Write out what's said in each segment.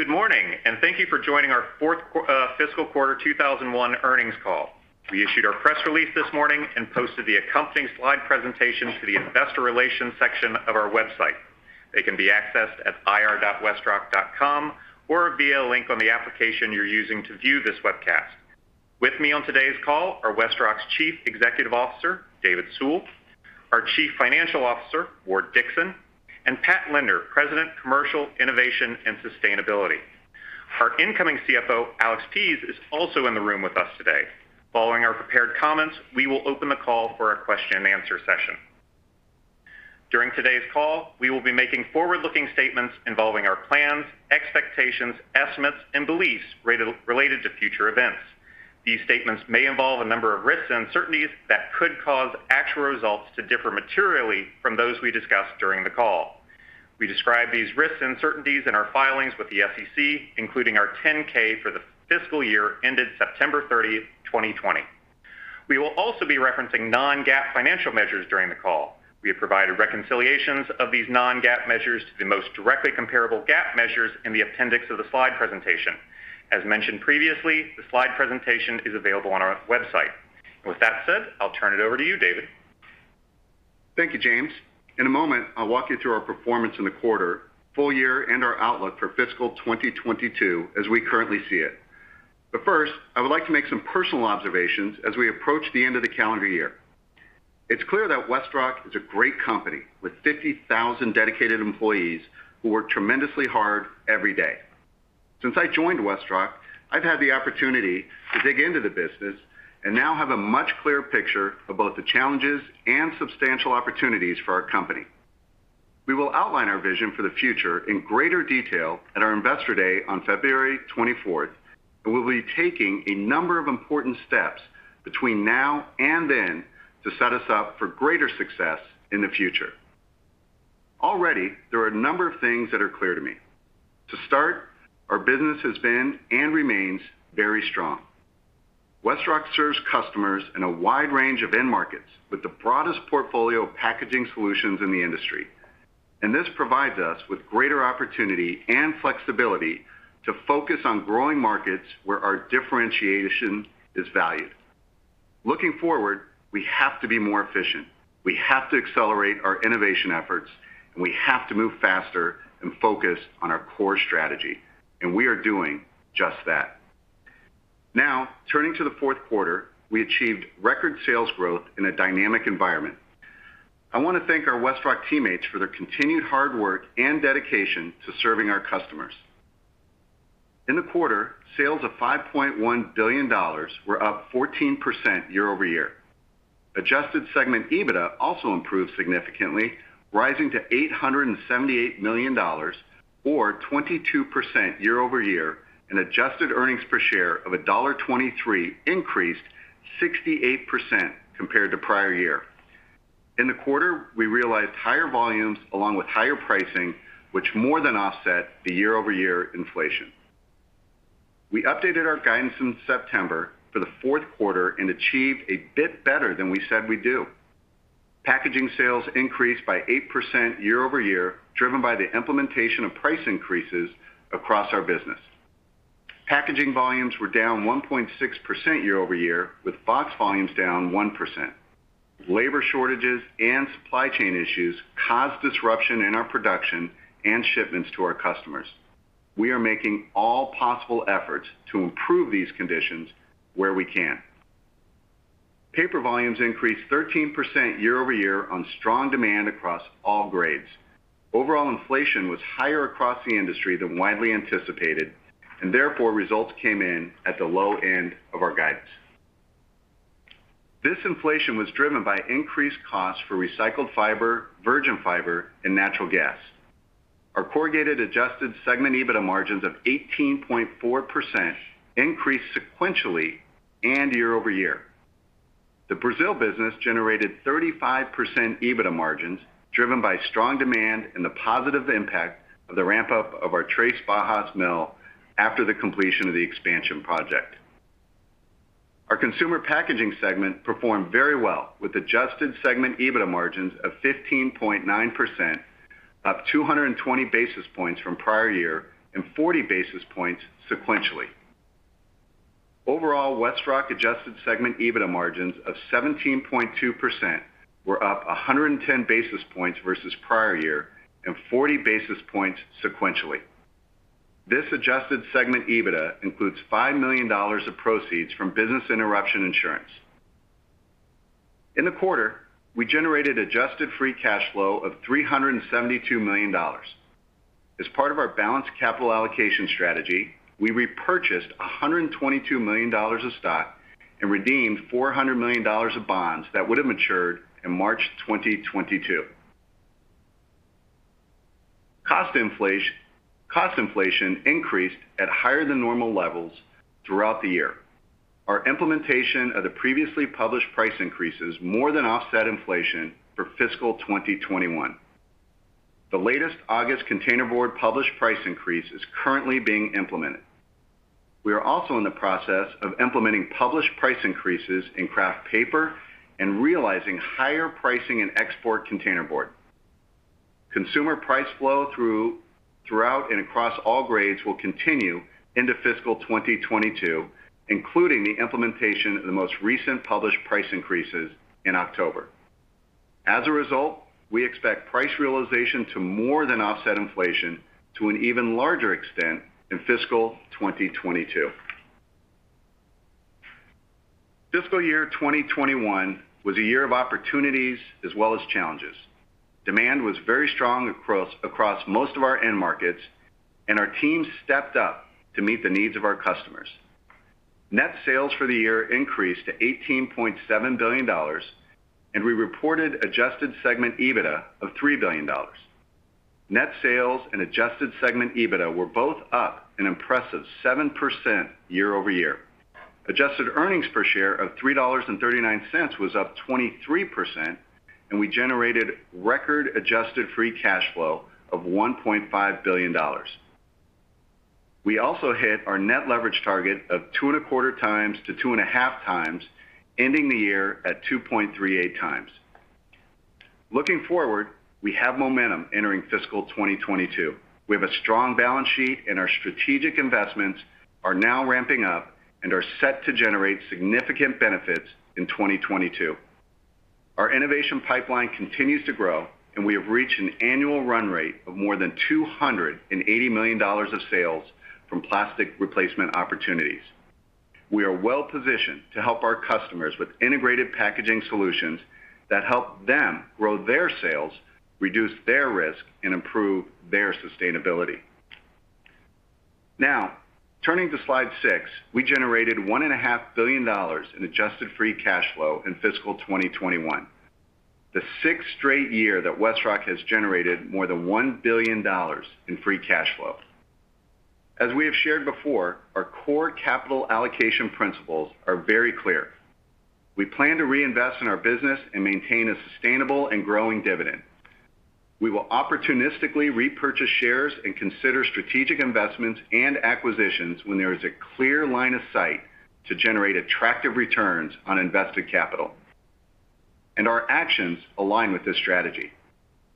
Good morning, and thank you for joining our fourth fiscal quarter 2001 earnings call. We issued our press release this morning and posted the accompanying slide presentation to the investor relations section of our website. They can be accessed at ir.westrock.com or via a link on the application you're using to view this webcast. With me on today's call are WestRock's Chief Executive Officer, David Sewell, our Chief Financial Officer, Ward Dickson, and Pat Lindner, President, Commercial, Innovation, and Sustainability. Our incoming CFO, Alex Pease, is also in the room with us today. Following our prepared comments, we will open the call for a question-and-answer session. During today's call, we will be making forward-looking statements involving our plans, expectations, estimates, and beliefs related to future events. These statements may involve a number of risks and uncertainties that could cause actual results to differ materially from those we discuss during the call. We describe these risks and uncertainties in our filings with the SEC, including our 10-K for the fiscal year ended September 30, 2020. We will also be referencing non-GAAP financial measures during the call. We have provided reconciliations of these non-GAAP measures to the most directly comparable GAAP measures in the appendix of the slide presentation. As mentioned previously, the slide presentation is available on our website. With that said, I'll turn it over to you, David. Thank you, James. In a moment, I'll walk you through our performance in the quarter, full year, and our outlook for fiscal 2022 as we currently see it. First, I would like to make some personal observations as we approach the end of the calendar year. It's clear that WestRock is a great company with 50,000 dedicated employees who work tremendously hard every day. Since I joined WestRock, I've had the opportunity to dig into the business and now have a much clearer picture of both the challenges and substantial opportunities for our company. We will outline our vision for the future in greater detail at our Investor Day on February 24, and we'll be taking a number of important steps between now and then to set us up for greater success in the future. Already, there are a number of things that are clear to me. To start, our business has been and remains very strong. WestRock serves customers in a wide range of end markets with the broadest portfolio of packaging solutions in the industry. This provides us with greater opportunity and flexibility to focus on growing markets where our differentiation is valued. Looking forward, we have to be more efficient. We have to accelerate our innovation efforts, and we have to move faster and focus on our core strategy, and we are doing just that. Now, turning to the fourth quarter, we achieved record sales growth in a dynamic environment. I wanna thank our WestRock teammates for their continued hard work and dedication to serving our customers. In the quarter, sales of $5.1 billion were up 14% year-over-year. Adjusted segment EBITDA also improved significantly, rising to $878 million or 22% year-over-year, and adjusted earnings per share of $1.23 increased 68% compared to prior year. In the quarter, we realized higher volumes along with higher pricing, which more than offset the year-over-year inflation. We updated our guidance in September for the fourth quarter and achieved a bit better than we said we'd do. Packaging sales increased by 8% year-over-year, driven by the implementation of price increases across our business. Packaging volumes were down 1.6% year-over-year, with box volumes down 1%. Labor shortages and supply chain issues caused disruption in our production and shipments to our customers. We are making all possible efforts to improve these conditions where we can. Paper volumes increased 13% year-over-year on strong demand across all grades. Overall inflation was higher across the industry than widely anticipated, and therefore, results came in at the low end of our guidance. This inflation was driven by increased costs for recycled fiber, virgin fiber, and natural gas. Our corrugated adjusted segment EBITDA margins of 18.4% increased sequentially and year-over-year. The Brazil business generated 35% EBITDA margins, driven by strong demand and the positive impact of the ramp-up of our Três Barras mill after the completion of the expansion project. Our consumer packaging segment performed very well with adjusted segment EBITDA margins of 15.9%, up 220 basis points from prior year and 40 basis points sequentially. Overall, WestRock adjusted segment EBITDA margins of 17.2% were up 110 basis points versus prior year and 40 basis points sequentially. This adjusted segment EBITDA includes $5 million of proceeds from business interruption insurance. In the quarter, we generated adjusted free cash flow of $372 million. As part of our balanced capital allocation strategy, we repurchased $122 million of stock and redeemed $400 million of bonds that would have matured in March 2022. Cost inflation increased at higher than normal levels throughout the year. Our implementation of the previously published price increases more than offset inflation for fiscal 2021. The latest August containerboard published price increase is currently being implemented. We are also in the process of implementing published price increases Kraft paper and realizing higher pricing in export container board. Consumer price flow throughout and across all grades will continue into fiscal 2022, including the implementation of the most recent published price increases in October. As a result, we expect price realization to more than offset inflation to an even larger extent in fiscal 2022. Fiscal year 2021 was a year of opportunities as well as challenges. Demand was very strong across most of our end markets, and our team stepped up to meet the needs of our customers. Net sales for the year increased to $18.7 billion, and we reported adjusted segment EBITDA of $3 billion. Net-sales and adjusted segment EBITDA were both up an impressive 7% year-over-year. Adjusted earnings per share of $3.39 was up 23%, and we generated record adjusted free cash flow of $1.5 billion. We also hit our net leverage target of 2.25x-2.5x, ending the year at 2.3x. Looking forward, we have momentum entering fiscal 2022. We have a strong balance sheet, and our strategic investments are now ramping up and are set to generate significant benefits in 2022. Our innovation pipeline continues to grow, and we have reached an annual run rate of more than $280 million of sales from plastic replacement opportunities. We are well-positioned to help our customers with integrated packaging solutions that help them grow their sales, reduce their risk, and improve their sustainability. Now, turning to slide six, we generated $1.5 billion in adjusted free cash flow in fiscal 2021, the sixth straight year that WestRock has generated more than $1 billion in free cash flow. As we have shared before, our core capital allocation principles are very clear. We plan to reinvest in our business and maintain a sustainable and growing dividend. We will opportunistically repurchase shares and consider strategic investments and acquisitions when there is a clear line of sight to generate attractive returns on invested capital. Our actions align with this strategy.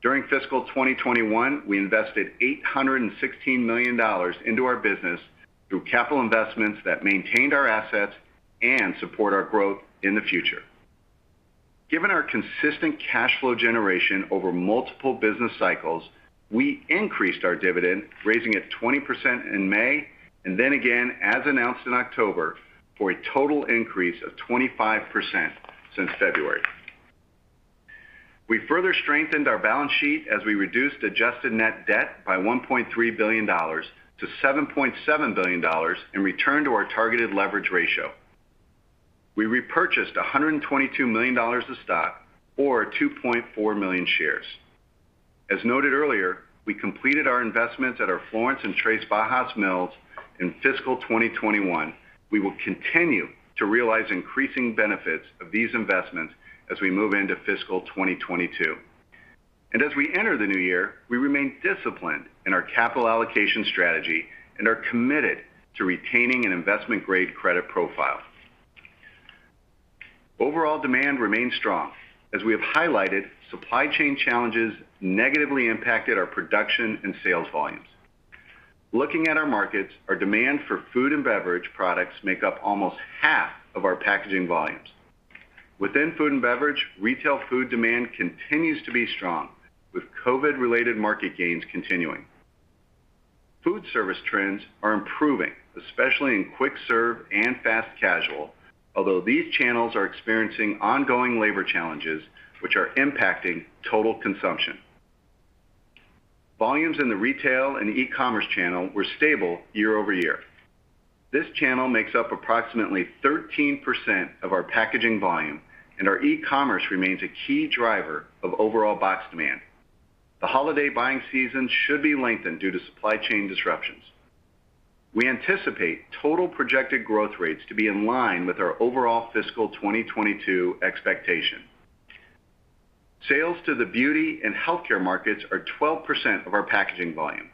During fiscal 2021, we invested $816 million into our business through capital investments that maintained our assets and supported our growth in the future. Given our consistent cash flow generation over multiple business cycles, we increased our dividend, raising it 20% in May, and then again, as announced in October, for a total increase of 25% since February. We further strengthened our balance sheet as we reduced adjusted net-debt by $1.3 billion to $7.7 billion and returned to our targeted leverage ratio. We repurchased $122 million of stock or 2.4 million shares. As noted earlier, we completed our investments at our Florence and Três Barras mill in fiscal 2021. We will continue to realize increasing benefits of these investments as we move into fiscal 2022. As we enter the new year, we remain disciplined in our capital allocation strategy and are committed to retaining an investment-grade credit profile. Overall demand remains strong. As we have highlighted, supply chain challenges negatively impacted our production and sales volumes. Looking at our markets, our demand for food and beverage products make up almost half of our packaging volumes. Within food and beverage, retail food demand continues to be strong, with COVID-related market gains continuing. Food service trends are improving, especially in quick-service and fast casual, although these channels are experiencing ongoing labor challenges, which are impacting total consumption. Volumes in the retail and e-commerce channel were stable year-over-year. This channel makes up approximately 13% of our packaging volume, and our e-commerce remains a key driver of overall box demand. The holiday buying season should be lengthened due to supply chain disruptions. We anticipate total projected growth rates to be in line with our overall fiscal 2022 expectation. Sales to the beauty and healthcare markets are 12% of our packaging volume.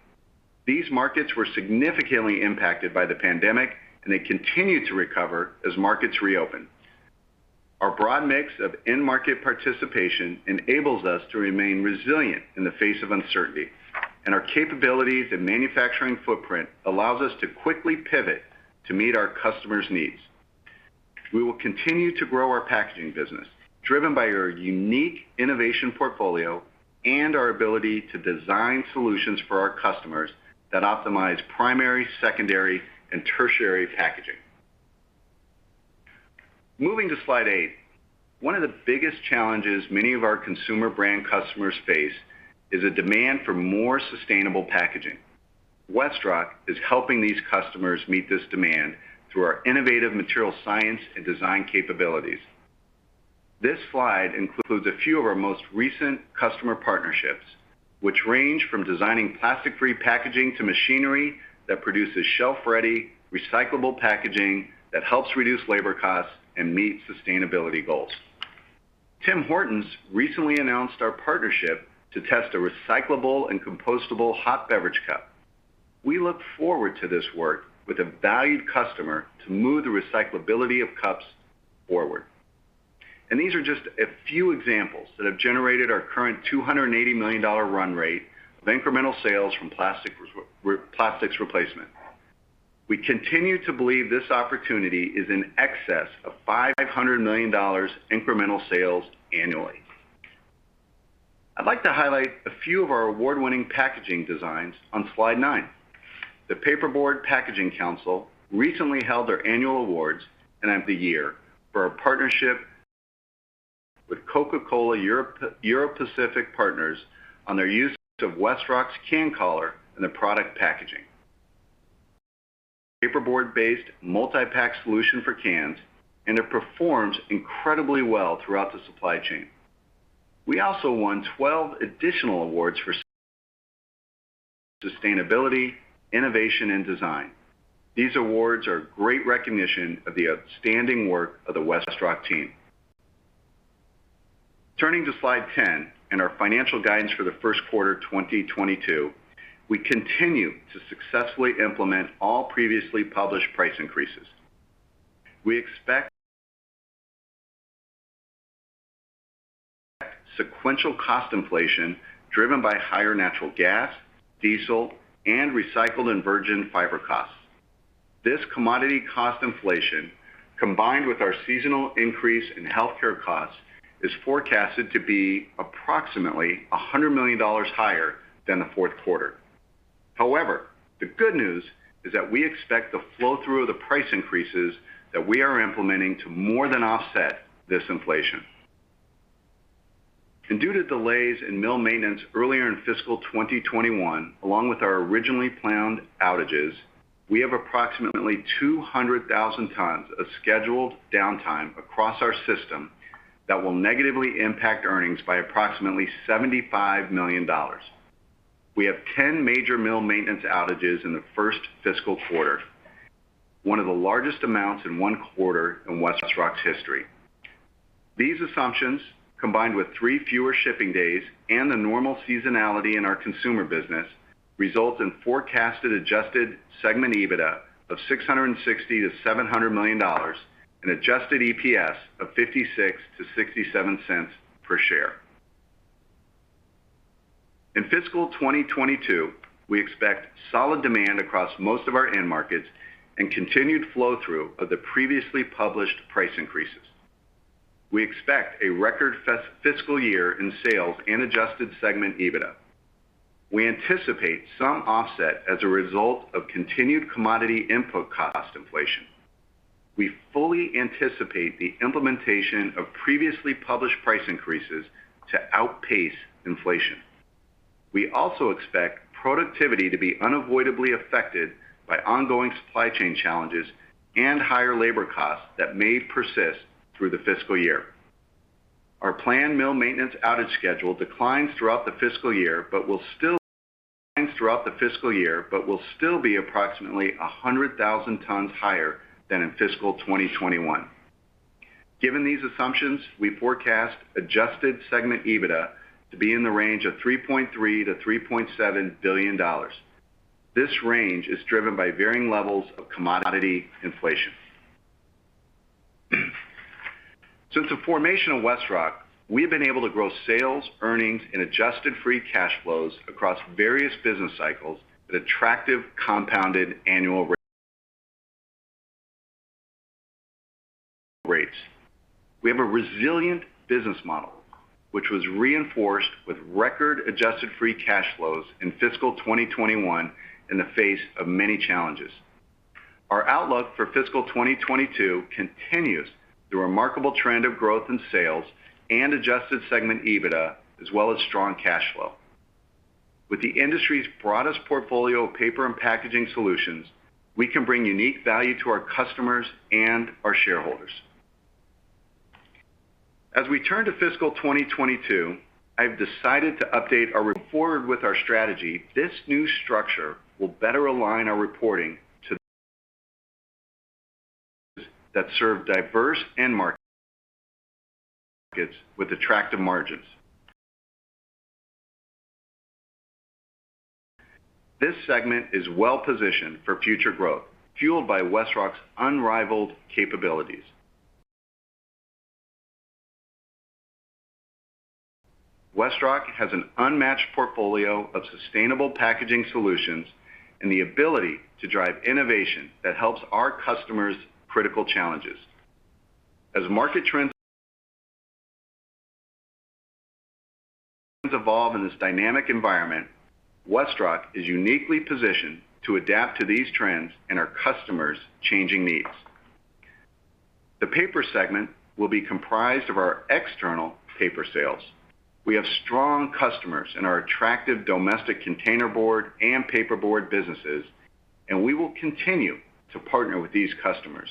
These markets were significantly impacted by the pandemic, and they continue to recover as markets reopen. Our broad mix of end market participation enables us to remain resilient in the face of uncertainty, and our capabilities and manufacturing footprint allows us to quickly pivot to meet our customers' needs. We will continue to grow our packaging business, driven by our unique innovation portfolio and our ability to design solutions for our customers that optimize primary, secondary, and tertiary packaging. Moving to slide eight. One of the biggest challenges many of our consumer brand customers face is a demand for more sustainable packaging. WestRock is helping these customers meet this demand through our innovative material science and design capabilities. This slide includes a few of our most recent customer partnerships, which range from designing plastic-free packaging to machinery that produces shelf-ready, recyclable packaging that helps reduce labor costs and meet sustainability goals. Tim Hortons recently announced our partnership to test a recyclable and compostable hot beverage cup. We look forward to this work with a valued customer to move the recyclability of cups forward. These are just a few examples that have generated our current $280 million run-rate of incremental sales from plastics replacement. We continue to believe this opportunity is in excess of $500 million incremental sales annually. I'd like to highlight a few of our award-winning packaging designs on slide nine. The Paperboard Packaging Council recently held their Annual Awards, and we won the year for our partnership with Coca-Cola Europacific Partners on their use of WestRock's CanCollar in the product packaging, paperboard-based multi-pack solution for cans, and it performs incredibly well throughout the supply chain. We also won 12 additional awards for sustainability, innovation, and design. These awards are great recognition of the outstanding work of the WestRock team. Turning to slide 10 and our financial guidance for the first quarter 2022, we continue to successfully implement all previously published price increases. We expect sequential cost inflation driven by higher natural gas, diesel, and recycled and virgin fiber costs. This commodity cost inflation, combined with our seasonal increase in healthcare costs, is forecasted to be approximately $100 million higher than the fourth quarter. However, the good news is that we expect the flow-through of the price increases that we are implementing to more than offset this inflation. Due to delays in mill maintenance earlier in fiscal 2021, along with our originally planned outages, we have approximately 200,000 tons of scheduled downtime across our system that will negatively impact earnings by approximately $75 million. We have 10 major mill maintenance outages in the first fiscal quarter, one of the largest amounts in one quarter in WestRock's history. These assumptions, combined with three fewer shipping days and the normal seasonality in our consumer business, result in forecasted adjusted segment EBITDA of $660 million-$700 million and adjusted EPS of $0.56-$0.67 per share. In fiscal 2022, we expect solid demand across most of our end markets and continued flow-through of the previously published price increases. We expect a record fiscal year in sales and adjusted segment EBITDA. We anticipate some offset as a result of continued commodity input cost inflation. We fully anticipate the implementation of previously published price increases to outpace inflation. We also expect productivity to be unavoidably affected by ongoing supply chain challenges and higher labor costs that may persist through the fiscal year. Our planned mill maintenance outage schedule declines throughout the fiscal year but will still be approximately 100,000 tons higher than in fiscal 2021. Given these assumptions, we forecast adjusted segment EBITDA to be in the range of $3.3 billion-$3.7 billion. This range is driven by varying levels of commodity inflation. Since the formation of WestRock, we have been able to grow sales, earnings, and adjusted free cash flows across various business cycles at attractive compounded annual rates. We have a resilient business model, which was reinforced with record adjusted free cash flows in fiscal 2021 in the face of many challenges. Our outlook for fiscal 2022 continues the remarkable trend of growth in sales and adjusted segment EBITDA, as well as strong cash flow. With the industry's broadest portfolio of paper and packaging solutions, we can bring unique value to our customers and our shareholders. As we turn to fiscal 2022, I've decided to update our reporting forward with our strategy. This new structure will better align our reporting to better serve diverse end markets with attractive margins. This segment is well-positioned for future growth, fueled by WestRock's unrivaled capabilities. WestRock has an unmatched portfolio of sustainable packaging solutions and the ability to drive innovation that helps our customers' critical challenges. As market trends evolve in this dynamic environment, WestRock is uniquely positioned to adapt to these trends and our customers' changing needs. The paper segment will be comprised of our external paper sales. We have strong customers in our attractive domestic containerboard and paperboard businesses, and we will continue to partner with these customers.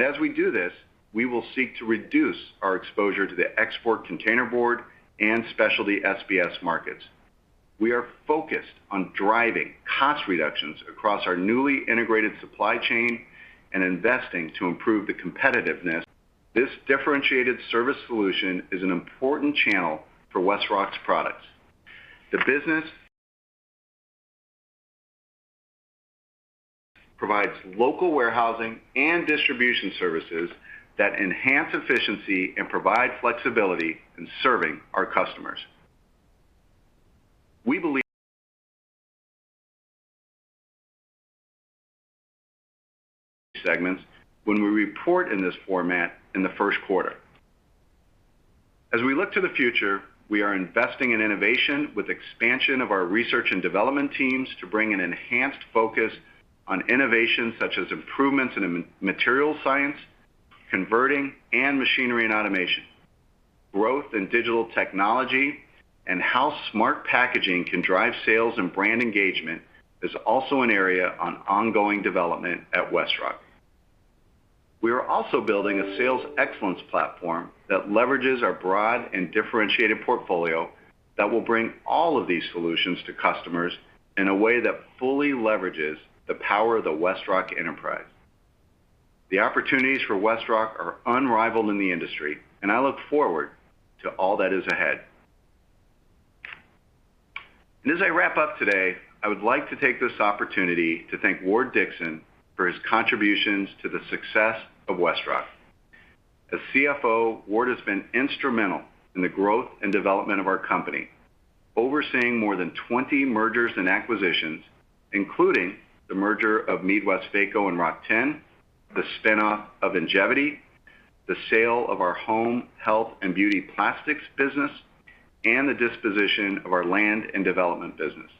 As we do this, we will seek to reduce our exposure to the export containerboard and specialty SBS markets. We are focused on driving cost reductions across our newly integrated supply chain and investing to improve the competitiveness. This differentiated service solution is an important channel for WestRock's products. The business provides local warehousing and distribution services that enhance efficiency and provide flexibility in serving our customers. We believe segments when we report in this format in the first quarter. As we look to the future, we are investing in innovation with expansion of our research and development teams to bring an enhanced focus on innovation, such as improvements in material science, converting, and machinery and automation. Growth in digital technology, and how smart packaging can drive sales and brand engagement is also an area of ongoing development at WestRock. We are also building a sales excellence platform that leverages our broad and differentiated portfolio that will bring all of these solutions to customers in a way that fully leverages the power of the WestRock enterprise. The opportunities for WestRock are unrivaled in the industry, and I look forward to all that is ahead. As I wrap up today, I would like to take this opportunity to thank Ward Dickson for his contributions to the success of WestRock. As CFO, Ward has been instrumental in the growth and development of our company, overseeing more than 20 mergers and acquisitions, including the merger of MeadWestvaco and RockTenn, the spin-off of Ingevity, the sale of our home, health, and beauty plastics business, and the disposition of our land and development business.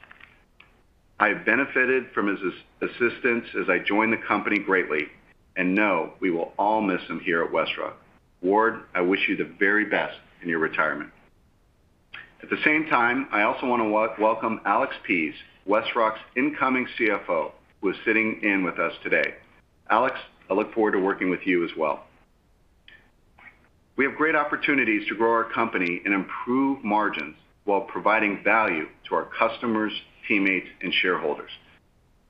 I have benefited from his assistance as I joined the company greatly and know we will all miss him here at WestRock. Ward, I wish you the very best in your retirement. At the same time, I also wanna welcome Alex Pease, WestRock's incoming CFO, who is sitting in with us today. Alex, I look forward to working with you as well. We have great opportunities to grow our company and improve margins while providing value to our customers, teammates, and shareholders.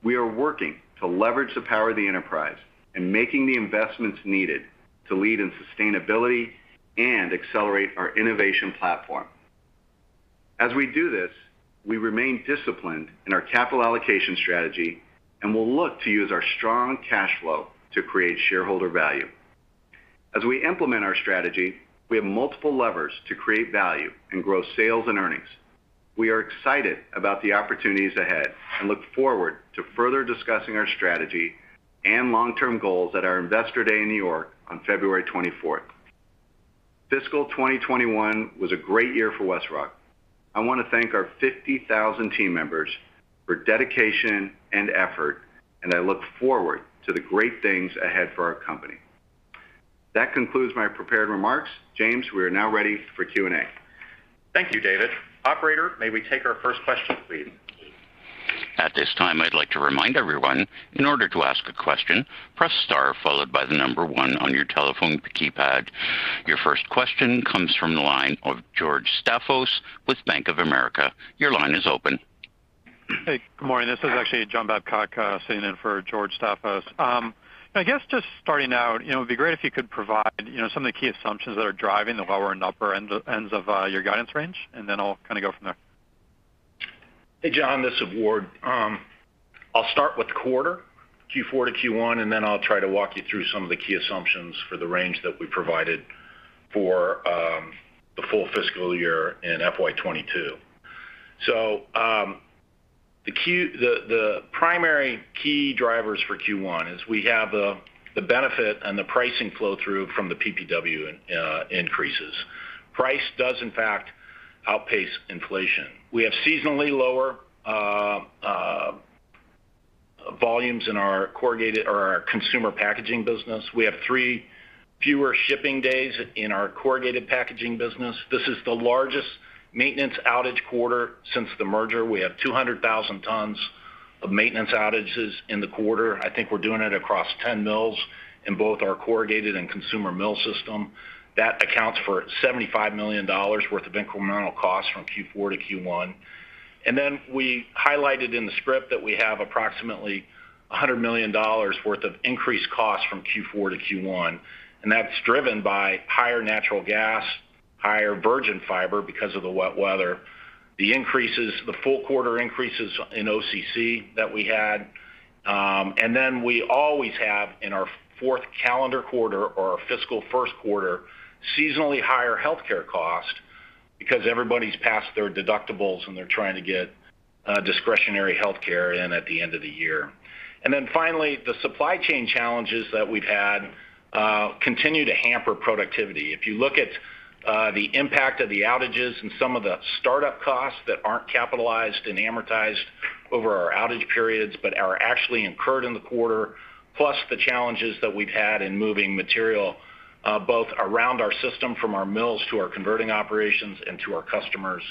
We are working to leverage the power of the enterprise and making the investments needed to lead in sustainability and accelerate our innovation platform. As we do this, we remain disciplined in our capital allocation strategy, and we'll look to use our strong cash flow to create shareholder value. As we implement our strategy, we have multiple levers to create value and grow sales and earnings. We are excited about the opportunities ahead and look forward to further discussing our strategy and long-term goals at our Investor Day in New York on February 24. Fiscal 2021 was a great year for WestRock. I wanna thank our 50,000 team members for dedication and effort, and I look forward to the great things ahead for our company. That concludes my prepared remarks. James, we are now ready for Q&A. Thank you, David. Operator, may we take our first question, please? At this time, I'd like to remind everyone, in order to ask a question, press star followed by the number one on your telephone keypad. Your first question comes from the line of George Staphos with Bank of America. Your line is open. Hey, good morning. This is actually John Babcock sitting in for George Staphos. I guess just starting out, you know, it'd be great if you could provide, you know, some of the key assumptions that are driving the lower and upper end of your guidance range, and then I'll kind of go from there. Hey, John, this is Ward. I'll start with the quarter, Q4 to Q1, and then I'll try to walk you through some of the key assumptions for the range that we provided for the full fiscal year in FY 2022. The primary key drivers for Q1 is we have the benefit and the pricing flow-through from the PPW increases. Price does in fact outpace inflation. We have seasonally lower volumes in our corrugated or our consumer packaging business. We have three fewer shipping days in our corrugated packaging business. This is the largest maintenance outage quarter since the merger. We have 200,000 tons of maintenance outages in the quarter. I think we're doing it across 10 mills in both our corrugated and consumer mill system. That accounts for $75 million worth of incremental costs from Q4 to Q1. Then we highlighted in the script that we have approximately $100 million worth of increased costs from Q4 to Q1, and that's driven by higher natural gas, higher virgin fiber because of the wet weather. The full quarter increases in OCC that we had. Then we always have in our fourth calendar quarter or our fiscal first quarter, seasonally higher healthcare costs because everybody's passed their deductibles, and they're trying to get discretionary healthcare in at the end of the year. Then finally, the supply chain challenges that we've had continue to hamper productivity. If you look at the impact of the outages and some of the startup costs that aren't capitalized and amortized over our outage periods, but are actually incurred in the quarter, plus the challenges that we've had in moving material both around our system from our mills to our converting operations and to our customers,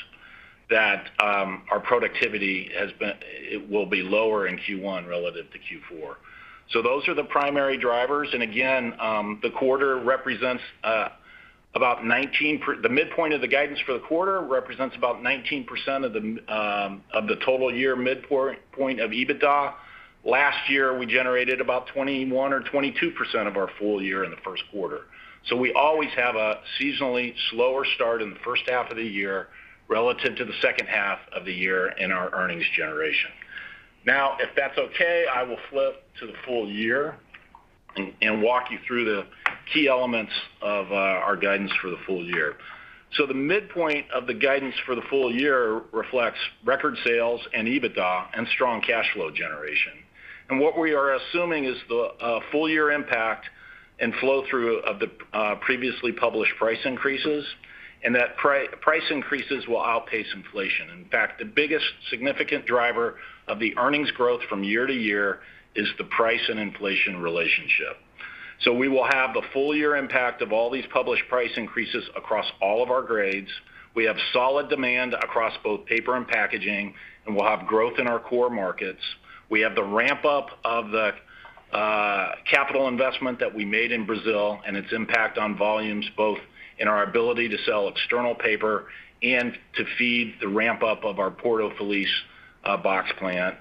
that our productivity will be lower in Q1 relative to Q4. Those are the primary drivers. Again, the quarter represents The midpoint of the guidance for the quarter represents about 19% of the total year midpoint of EBITDA. Last year, we generated about 21% or 22% of our full year in the first quarter. We always have a seasonally slower start in the first half of the year relative to the second half of the year in our earnings generation. If that's okay, I will flip to the full year and walk you through the key elements of our guidance for the full year. The midpoint of the guidance for the full year reflects record sales and EBITDA and strong cash flow generation. What we are assuming is the full year impact and flow-through of the previously published price increases, and that price increases will outpace inflation. In fact, the biggest significant driver of the earnings growth from year to year is the price and inflation relationship. We will have the full year impact of all these published price increases across all of our grades. We have solid demand across both paper and packaging, and we'll have growth in our core markets. We have the ramp-up of the capital investment that we made in Brazil and its impact on volumes, both in our ability to sell external paper and to feed the ramp-up of our Porto Feliz box plant.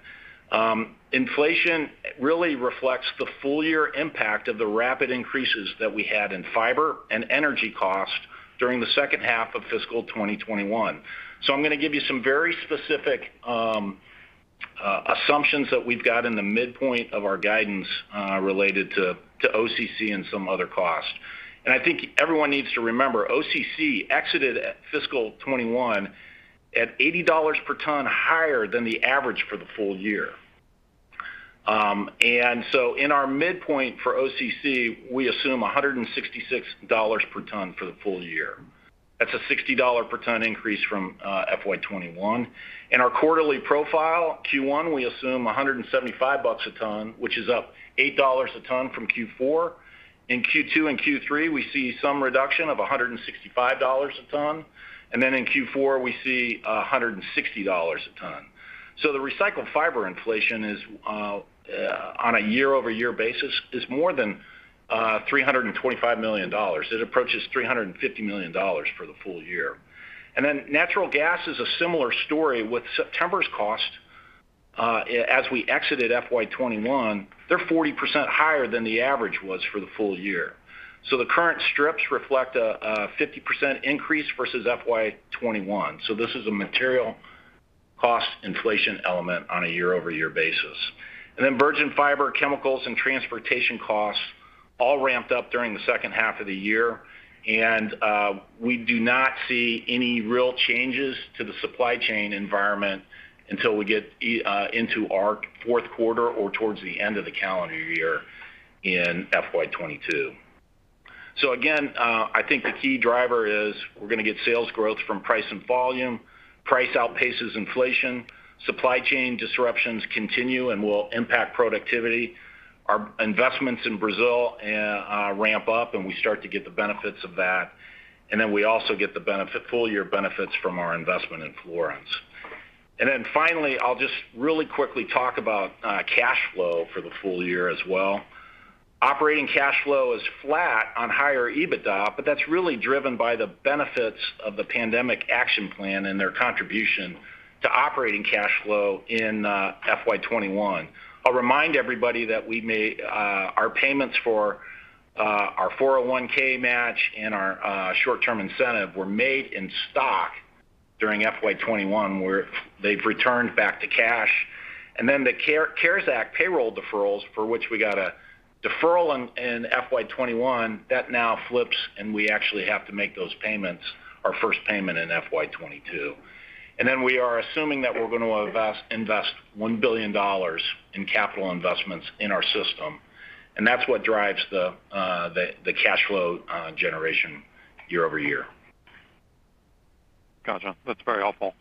Inflation really reflects the full year impact of the rapid increases that we had in fiber and energy cost during the second half of fiscal 2021. I'm gonna give you some very specific assumptions that we've got in the midpoint of our guidance related to OCC and some other costs. I think everyone needs to remember, OCC exited at fiscal 2021 at $80/ton higher than the average for the full year. In our midpoint for OCC, we assume $166/ton for the full year. That's a $60/ton increase from FY 2021. In our quarterly profile, Q1, we assume $175 a ton, which is up $8 a ton from Q4. In Q2 and Q3, we see some reduction of $165 a ton. In Q4, we see $160 a ton. The recycled fiber inflation on a year-over-year basis is more than $325 million. It approaches $350 million for the full year. Natural gas is a similar story with September's cost as we exited FY 2021. They're 40% higher than the average was for the full year. The current strips reflect a 50% increase versus FY 2021. This is a material cost inflation element on a year-over-year basis. Virgin fiber, chemicals, and transportation costs all ramped up during the second half of the year. We do not see any real changes to the supply chain environment until we get into our fourth quarter or towards the end of the calendar year in FY 2022. Again, I think the key driver is we're gonna get sales growth from price and volume. Price outpaces inflation. Supply chain disruptions continue and will impact productivity. Our investments in Brazil ramp up, and we start to get the benefits of that. We also get the full-year benefits from our investment in Florence. Finally, I'll just really quickly talk about cash flow for the full year as well. Operating cash flow is flat on higher EBITDA, but that's really driven by the benefits of the pandemic action plan and their contribution to operating cash flow in FY 2021. I'll remind everybody that we made our payments for our 401(k) match and our short-term incentive were made in stock during FY 2021, where they've returned back to cash. The CARES Act payroll deferrals, for which we got a deferral in FY 2021, that now flips, and we actually have to make those payments, our first payment in FY 2022. We are assuming that we're gonna invest $1 billion in capital investments in our system. That's what drives the cash flow generation year-over-year. Gotcha. That's very helpful.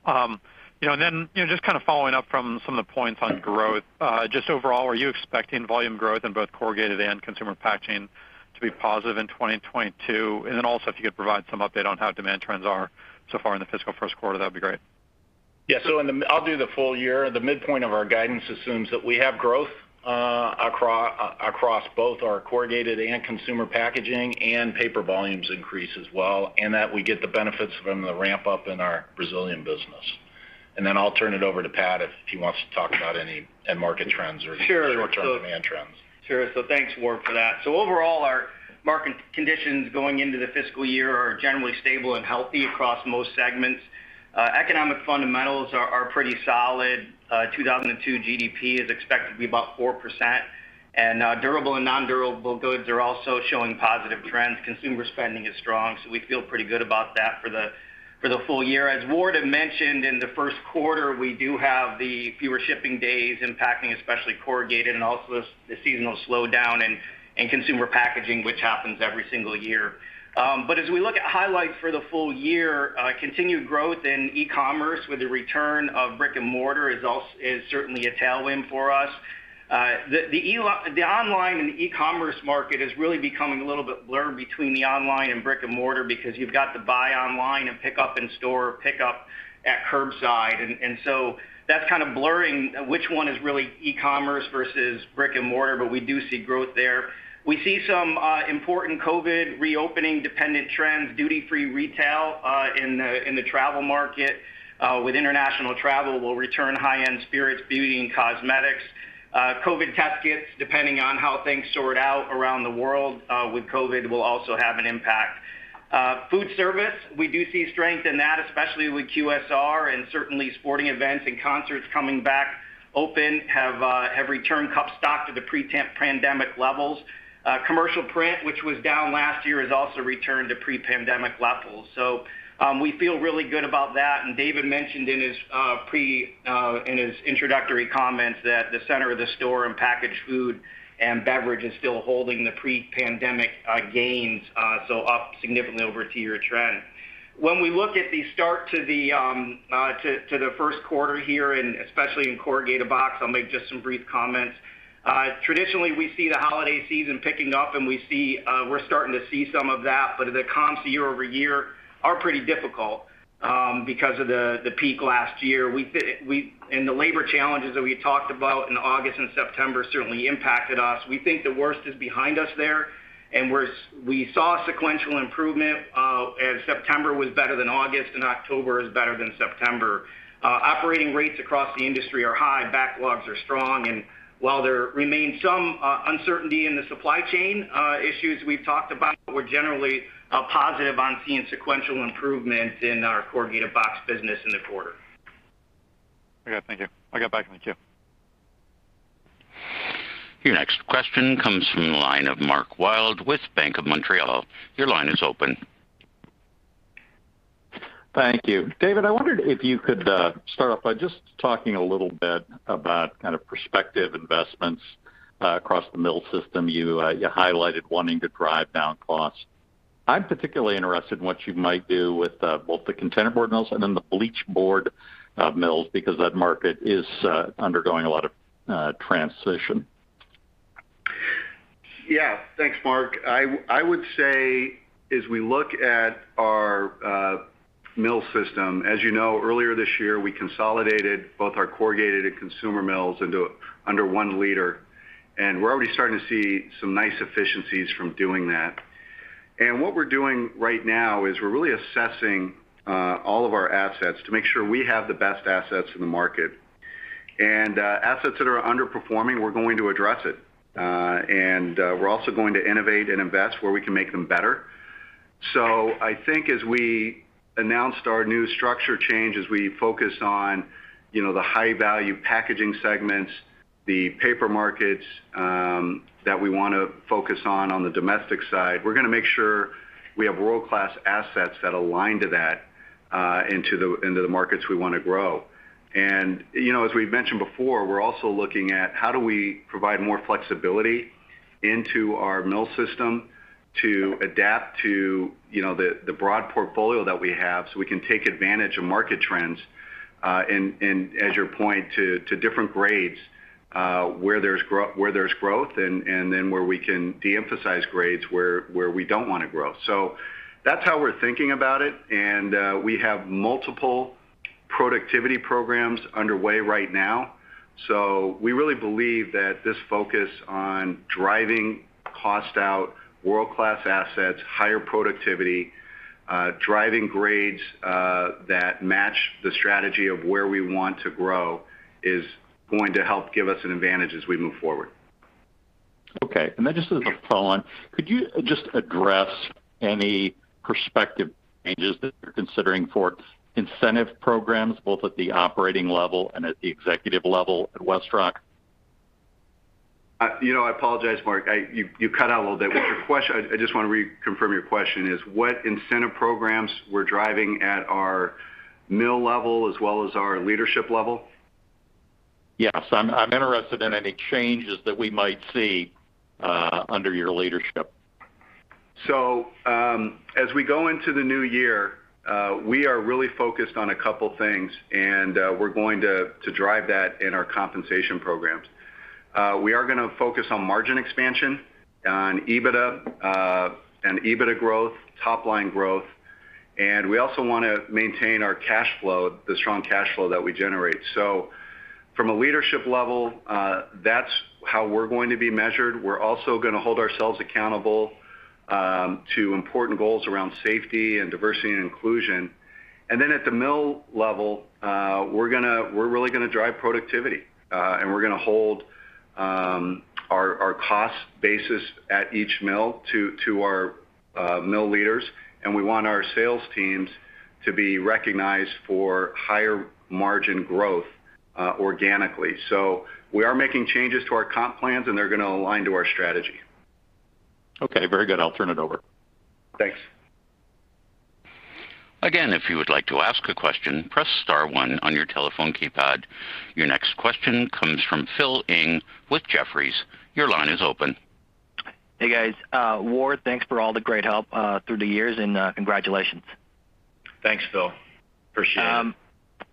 You know, you know, just kind of following up from some of the points on growth, just overall, are you expecting volume growth in both corrugated and consumer packaging to be positive in 2022? Also, if you could provide some update on how demand trends are so far in the fiscal first quarter, that'd be great. I'll do the full year. The midpoint of our guidance assumes that we have growth across both our corrugated and consumer packaging and paper volumes increase as well, and that we get the benefits from the ramp-up in our Brazilian business. I'll turn it over to Pat if he wants to talk about any end market trends or Sure. Short-term demand trends. Sure. Thanks, Ward, for that. Overall, our market conditions going into the fiscal year are generally stable and healthy across most segments. Economic fundamentals are pretty solid. 2022 GDP is expected to be about 4%. Durable and non-durable goods are also showing positive trends. Consumer spending is strong, so we feel pretty good about that for the full year. As Ward had mentioned, in the first quarter, we do have the fewer shipping days impacting, especially corrugated and also the seasonal slowdown in consumer packaging, which happens every single year. But as we look at highlights for the full year, continued growth in e-commerce with the return of brick and mortar is certainly a tailwind for us. The online and e-commerce market is really becoming a little bit blurred between the online and brick-and-mortar because you've got the buy online and pick up in store, pick up at curbside. That's kind of blurring which one is really e-commerce versus brick-and-mortar, but we do see growth there. We see some important COVID reopening dependent trends. Duty-free retail in the travel market with international travel will return high-end spirits, beauty and cosmetics. COVID test kits, depending on how things sort out around the world with COVID, will also have an impact. Food service, we do see strength in that, especially with QSR and certainly sporting events and concerts coming back open have returned cup stock to the pre-pandemic levels. Commercial print, which was down last year, has also returned to pre-pandemic levels. We feel really good about that. David mentioned in his introductory comments that the center of the store and packaged food and beverage is still holding the pre-pandemic gains, so up significantly over a two-year trend. When we look at the start of the first quarter here, and especially in corrugated box, I'll make just some brief comments. Traditionally, we see the holiday season picking up, and we're starting to see some of that, but the comps year-over-year are pretty difficult because of the peak last year. The labor challenges that we talked about in August and September certainly impacted us. We think the worst is behind us there, and we saw sequential improvement, as September was better than August, and October is better than September. Operating rates across the industry are high, backlogs are strong. While there remains some uncertainty in the supply chain issues we've talked about, we're generally positive on seeing sequential improvement in our corrugated box business in the quarter. Okay, thank you. I'll get back with you. Your next question comes from the line of Mark Wilde with Bank of Montreal. Your line is open. Thank you. David, I wondered if you could start off by just talking a little bit about kind of prospective investments across the mill system. You highlighted wanting to drive down costs. I'm particularly interested in what you might do with both the containerboard mills and then the paperboard mills because that market is undergoing a lot of transition. Yeah. Thanks, Mark. I would say as we look at our mill system, as you know, earlier this year, we consolidated both our corrugated and consumer mills under one leader, and we're already starting to see some nice efficiencies from doing that. What we're doing right now is we're really assessing all of our assets to make sure we have the best assets in the market. Assets that are underperforming, we're going to address it. We're also going to innovate and invest where we can make them better. I think as we announced our new structure change, as we focus on, you know, the high-value packaging segments, the paper markets, that we wanna focus on on the domestic side, we're gonna make sure we have world-class assets that align to that, into the markets we wanna grow. You know, as we've mentioned before, we're also looking at how do we provide more flexibility into our mill system to adapt to, you know, the broad portfolio that we have so we can take advantage of market trends, and as you point to different grades, where there's growth and then where we can de-emphasize grades where we don't wanna grow. That's how we're thinking about it, and we have multiple productivity programs underway right now. We really believe that this focus on driving cost out, world-class assets, higher productivity, driving grades, that match the strategy of where we want to grow is going to help give us an advantage as we move forward. Okay. Just as a follow-on, could you just address any prospective changes that you're considering for incentive programs, both at the operating level and at the executive level at WestRock? You know, I apologize, Mark. You cut out a little bit. What's your question? I just wanna reconfirm your question is, what incentive programs we're driving at our mill level as well as our leadership level? Yes. I'm interested in any changes that we might see under your leadership. As we go into the new year, we are really focused on a couple things, and we're going to drive that in our compensation programs. We are gonna focus on margin expansion, on EBITDA, and EBITDA growth, top line growth, and we also wanna maintain our cash flow, the strong cash flow that we generate. From a leadership level, that's how we're going to be measured. We're also gonna hold ourselves accountable to important goals around safety and diversity and inclusion. At the mill level, we're really gonna drive productivity, and we're gonna hold our cost basis at each mill to our mill leaders, and we want our sales teams to be recognized for higher margin growth, organically. We are making changes to our comp plans, and they're gonna align to our strategy. Okay, very good. I'll turn it over. Thanks. Again, if you would like to ask a question, press star one on your telephone keypad. Your next question comes from Phil Ng with Jefferies. Your line is open. Hey guys. Ward, thanks for all the great help through the years, and congratulations. Thanks, Phil. Appreciate it.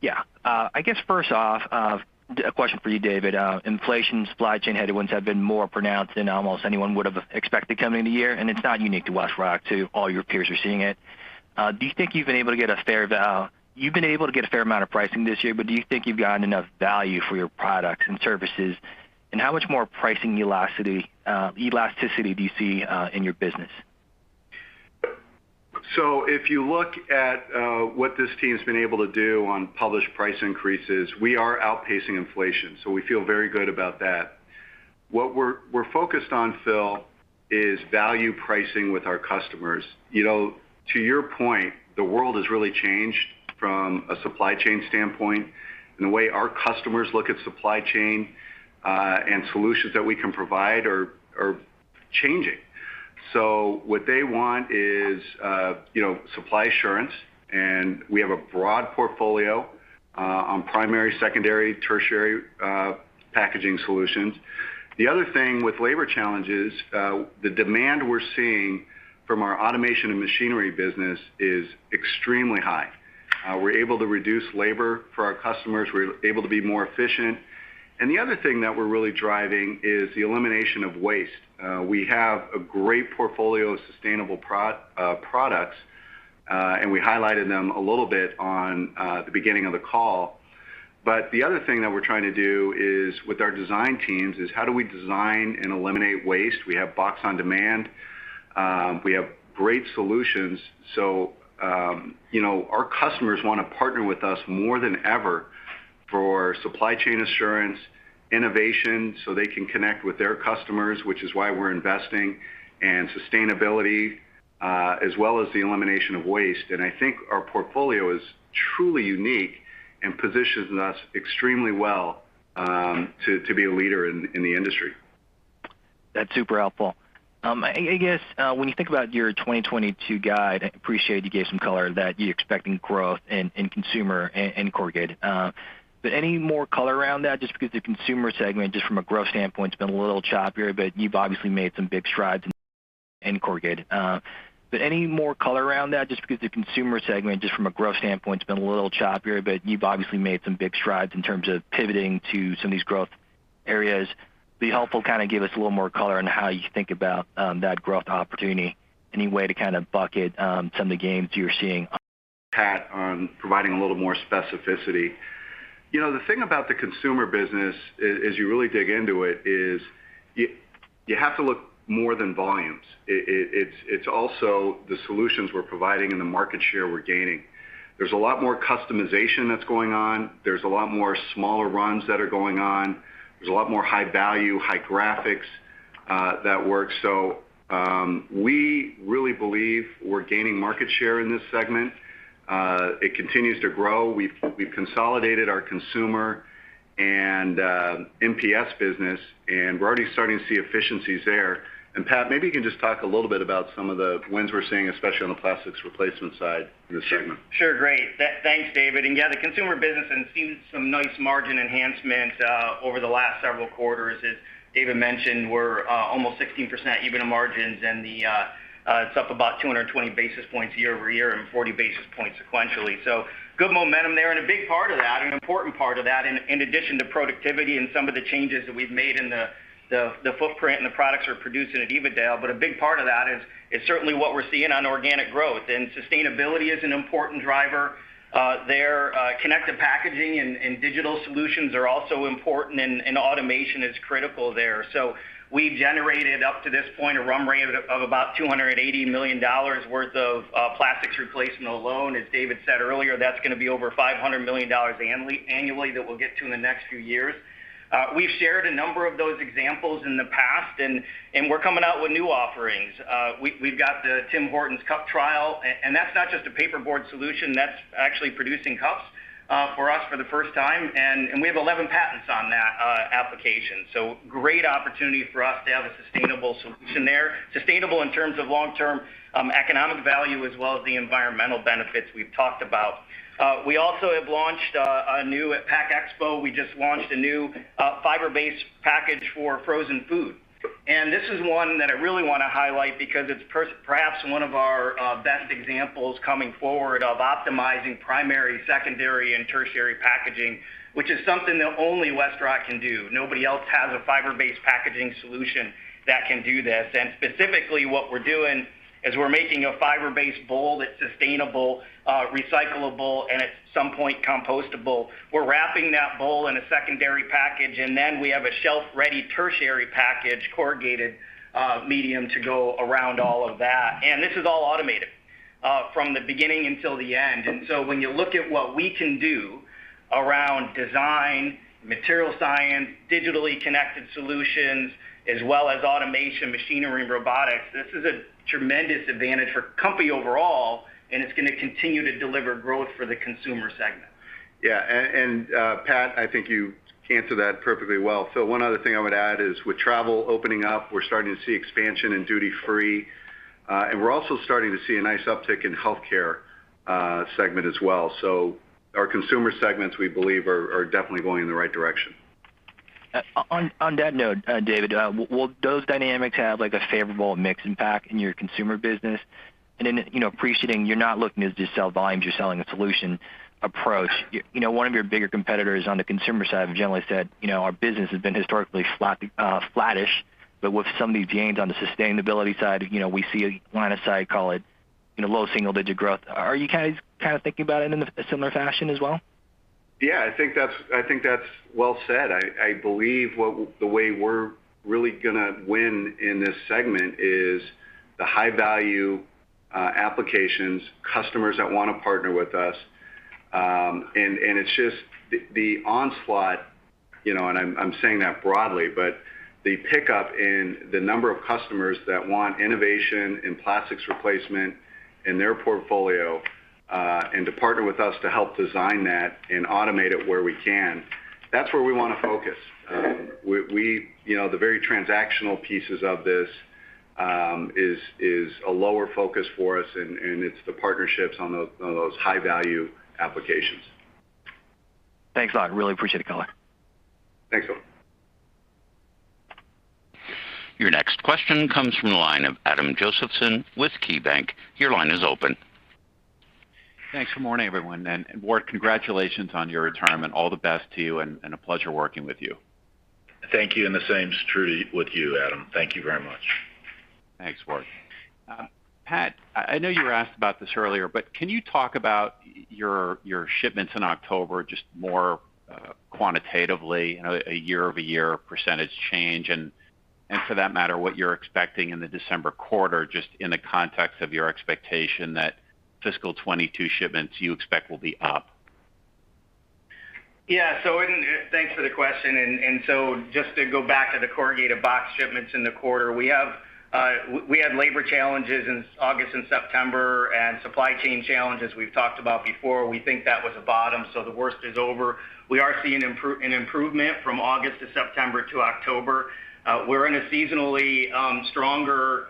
Yeah. I guess first off, a question for you, David. Inflation supply chain headwinds have been more pronounced than almost anyone would have expected coming into the year, and it's not unique to WestRock, too. All your peers are seeing it. Do you think you've been able to get a fair amount of pricing this year, but do you think you've gotten enough value for your products and services, and how much more pricing elasticity do you see in your business? If you look at what this team's been able to do on published price increases, we are outpacing inflation, so we feel very good about that. What we're focused on, Phil, is value pricing with our customers. You know, to your point, the world has really changed from a supply chain standpoint, and the way our customers look at supply chain and solutions that we can provide are changing. What they want is you know, supply assurance, and we have a broad portfolio on primary, secondary, tertiary packaging solutions. The other thing with labor challenges, the demand we're seeing from our automation and machinery business is extremely high. We're able to reduce labor for our customers. We're able to be more efficient. The other thing that we're really driving is the elimination of waste. We have a great portfolio of sustainable products, and we highlighted them a little bit on the beginning of the call. The other thing that we're trying to do is with our design teams is how do we design and eliminate waste? We have Box On Demand. We have great solutions. You know, our customers wanna partner with us more than ever for supply chain assurance, innovation, so they can connect with their customers, which is why we're investing, and sustainability, as well as the elimination of waste. I think our portfolio is truly unique and positions us extremely well, to be a leader in the industry. That's super helpful. I guess when you think about your 2022 guide, I appreciate you gave some color that you're expecting growth in Consumer and Corrugated. Any more color around that, just because the Consumer segment, just from a growth standpoint, has been a little choppier, but you've obviously made some big strides in Corrugated. Any more color around that, just because the Consumer segment, just from a growth standpoint, has been a little choppier, but you've obviously made some big strides in terms of pivoting to some of these growth areas. It would be helpful to kind of give us a little more color on how you think about that growth opportunity. Any way to kind of bucket some of the gains you're seeing? Pat, on providing a little more specificity. You know, the thing about the consumer business as you really dig into it is you have to look more than volumes. It's also the solutions we're providing and the market share we're gaining. There's a lot more customization that's going on. There's a lot more smaller runs that are going on. There's a lot more high value, high graphics that work. So we really believe we're gaining market share in this segment. It continues to grow. We've consolidated our consumer and MPS business, and we're already starting to see efficiencies there. Pat, maybe you can just talk a little bit about some of the wins we're seeing, especially on the plastics replacement side of the segment. Sure. Great. Thanks, David. Yeah, the consumer business has seen some nice margin enhancement over the last several quarters. As David mentioned, we're almost 16% EBITDA margins, and it's up about 220 basis points year-over-year and 40 basis points sequentially. Good momentum there. A big part of that, an important part of that, in addition to productivity and some of the changes that we've made in the footprint and the products we're producing at Evadale, but a big part of that is certainly what we're seeing on organic growth. Sustainability is an important driver there. Connected packaging and digital solutions are also important, and automation is critical there. We've generated, up to this point, a run-rate of about $280 million worth of plastics replacement alone. As David said earlier, that's gonna be over $500 million annually that we'll get to in the next few years. We've shared a number of those examples in the past, and we're coming out with new offerings. We've got the Tim Hortons cup trial, and that's not just a paperboard solution. That's actually producing cups for us for the first time. We have 11 patents on that application. Great opportunity for us to have a sustainable solution there. Sustainable in terms of long-term economic value as well as the environmental benefits we've talked about. We also have launched a new— At PACK EXPO, we just launched a new fiber-based package for frozen food. This is one that I really wanna highlight because it's perhaps one of our best examples coming forward of optimizing primary, secondary, and tertiary packaging, which is something that only WestRock can do. Nobody else has a fiber-based packaging solution that can do this. Specifically, what we're doing is we're making a fiber-based bowl that's sustainable, recyclable, and at some point compostable. We're wrapping that bowl in a secondary package, and then we have a shelf-ready tertiary package, corrugated medium to go around all of that. This is all automated from the beginning until the end. When you look at what we can do around design, material science, digitally connected solutions, as well as automation, machinery, and robotics, this is a tremendous advantage for company overall, and it's gonna continue to deliver growth for the consumer segment. Yeah. Pat, I think you answered that perfectly well. One other thing I would add is with travel opening up, we're starting to see expansion in duty-free. And we're also starting to see a nice uptick in Healthcare segment as well. Our Consumer segments, we believe, are definitely going in the right direction. On that note, David, will those dynamics have like a favorable mix impact in your consumer business? Then, you know, appreciating you're not looking at just sales volumes, you're selling a solution approach. You know, one of your bigger competitors on the consumer side have generally said, "You know, our business has been historically flattish, but with some of these gains on the sustainability side, you know, we see a line of sight, call it, you know, low single-digit growth." Are you guys kind of thinking about it in a similar fashion as well? Yeah, I think that's well said. I believe the way we're really gonna win in this segment is the high-value applications, customers that wanna partner with us. It's just the onslaught, you know, and I'm saying that broadly, but the pickup in the number of customers that want innovation and plastics replacement in their portfolio, and to partner with us to help design that and automate it where we can, that's where we wanna focus. You know, the very transactional pieces of this is a lower focus for us, and it's the partnerships on those high-value applications. Thanks a lot. Really appreciate the color. Thanks. Your next question comes from the line of Adam Josephson with KeyBanc. Your line is open. Thanks. Good morning, everyone. Ward, congratulations on your retirement. All the best to you, and a pleasure working with you. Thank you. The same is true with you, Adam. Thank you very much. Thanks, Ward. Pat, I know you were asked about this earlier, but can you talk about your shipments in October just more quantitatively, you know, a year-over-year percentage change? For that matter, what you're expecting in the December quarter, just in the context of your expectation that fiscal 2022 shipments you expect will be up. Thanks for the question. Just to go back to the corrugated box shipments in the quarter, we had labor challenges in August and September, and supply chain challenges we've talked about before. We think that was a bottom, so the worst is over. We are seeing an improvement from August to September to October. We're in a seasonally stronger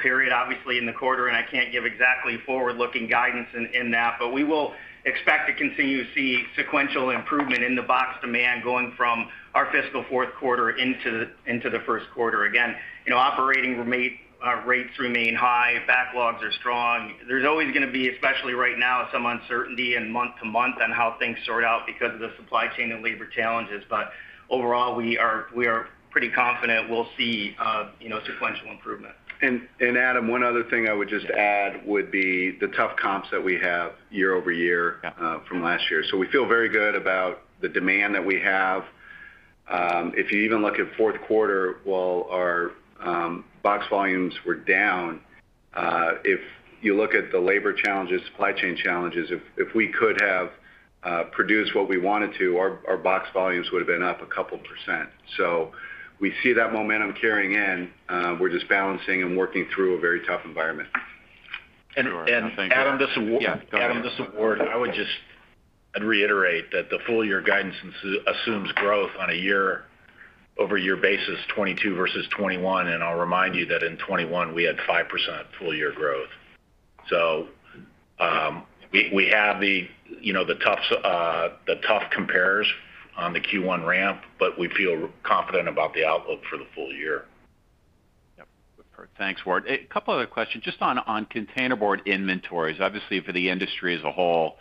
period, obviously in the quarter, and I can't give exactly forward-looking guidance in that. We will expect to continue to see sequential improvement in the box demand going from our fiscal fourth quarter into the first quarter. Again, you know, operating rates remain high. Backlogs are strong. There's always gonna be, especially right now, some uncertainty in month to month on how things sort out because of the supply chain and labor challenges. Overall, we are pretty confident we'll see, you know, sequential improvement. Adam, one other thing I would just add would be the tough comps that we have year-over-year, Yeah from last year. We feel very good about the demand that we have. If you even look at fourth quarter, while our box volumes were down, if you look at the labor challenges, supply chain challenges, if we could have produced what we wanted to, our box volumes would have been up a couple %. We see that momentum carrying in. We're just balancing and working through a very tough environment. Sure. I think Adam, just Yeah. Go ahead. Adam, I'd reiterate that the full-year guidance assumes growth on a year-over-year basis, 2022 versus 2021. I'll remind you that in 2021, we had 5% full-year growth. We have the tough comps on the Q1 ramp, but we feel confident about the outlook for the full year. Yep. Thanks, Ward. A couple other questions just on containerboard inventories. Obviously, for the industry as a whole,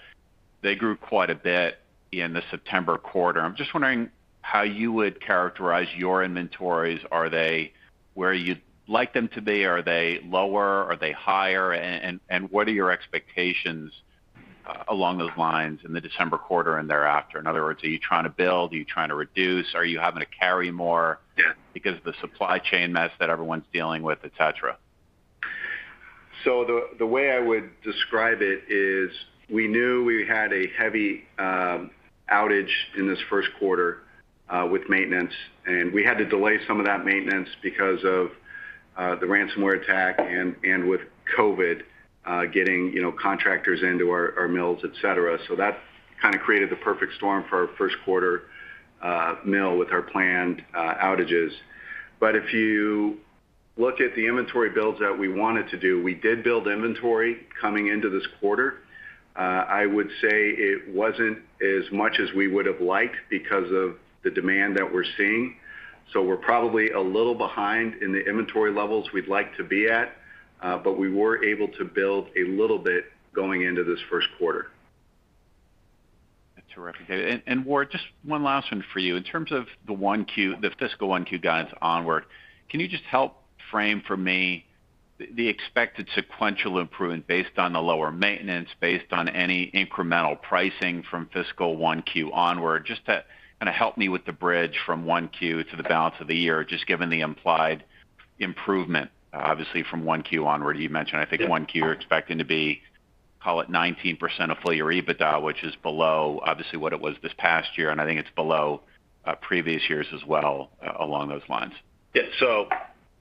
they grew quite a bit in the September quarter. I'm just wondering how you would characterize your inventories. Are they where you'd like them to be? Are they lower? Are they higher? And what are your expectations along those lines in the December quarter and thereafter? In other words, are you trying to build? Are you trying to reduce? Are you having to carry more? Yeah because of the supply chain mess that everyone's dealing with, et cetera? The way I would describe it is we knew we had a heavy outage in this first quarter with maintenance, and we had to delay some of that maintenance because of the ransomware attack and with COVID, getting, you know, contractors into our mills, et cetera. That kind of created the perfect storm for our first quarter mill with our planned outages. If you look at the inventory builds that we wanted to do, we did build inventory coming into this quarter. I would say it wasn't as much as we would have liked because of the demand that we're seeing. We're probably a little behind in the inventory levels we'd like to be at. But we were able to build a little bit going into this first quarter. That's terrific. Ward, just one last one for you. In terms of the fiscal 1Q guidance onward, can you just help frame for me the expected sequential improvement based on the lower maintenance, based on any incremental pricing from fiscal 1Q onward, just to kind of help me with the bridge from 1Q to the balance of the year, just given the implied improvement, obviously, from 1Q onward. You mentioned, I think, 1Q you're expecting to be, call it 19% of full year EBITDA, which is below, obviously, what it was this past year, and I think it's below previous years as well, along those lines. Yeah.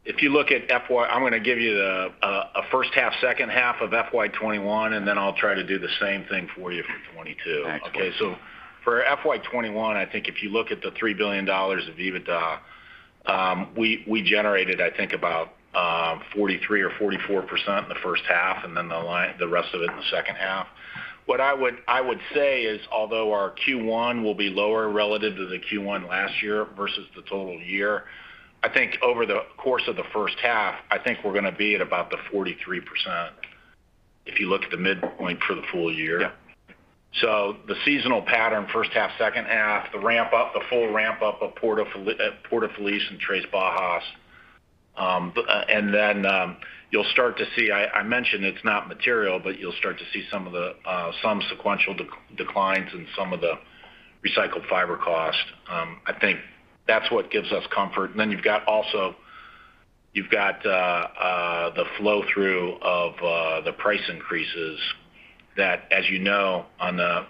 If you look at FY 2021, I'm gonna give you the a first half, second half of FY 2021, and then I'll try to do the same thing for you for 2022. Excellent. For FY 2021, I think if you look at the $3 billion of EBITDA we generated, I think about 43% or 44% in the first half, and then the rest of it in the second half. What I would say is, although our Q1 will be lower relative to the Q1 last year versus the total year, I think over the course of the first half, I think we're gonna be at about the 43% if you look at the midpoint for the full year. Yeah. The seasonal pattern, first half, second half, the ramp up, the full ramp up of Porto Feliz and Três Barras. You'll start to see some of the some sequential declines in some of the recycled fiber cost. I think that's what gives us comfort. You've got also the flow-through of the price increases that, as you know, on the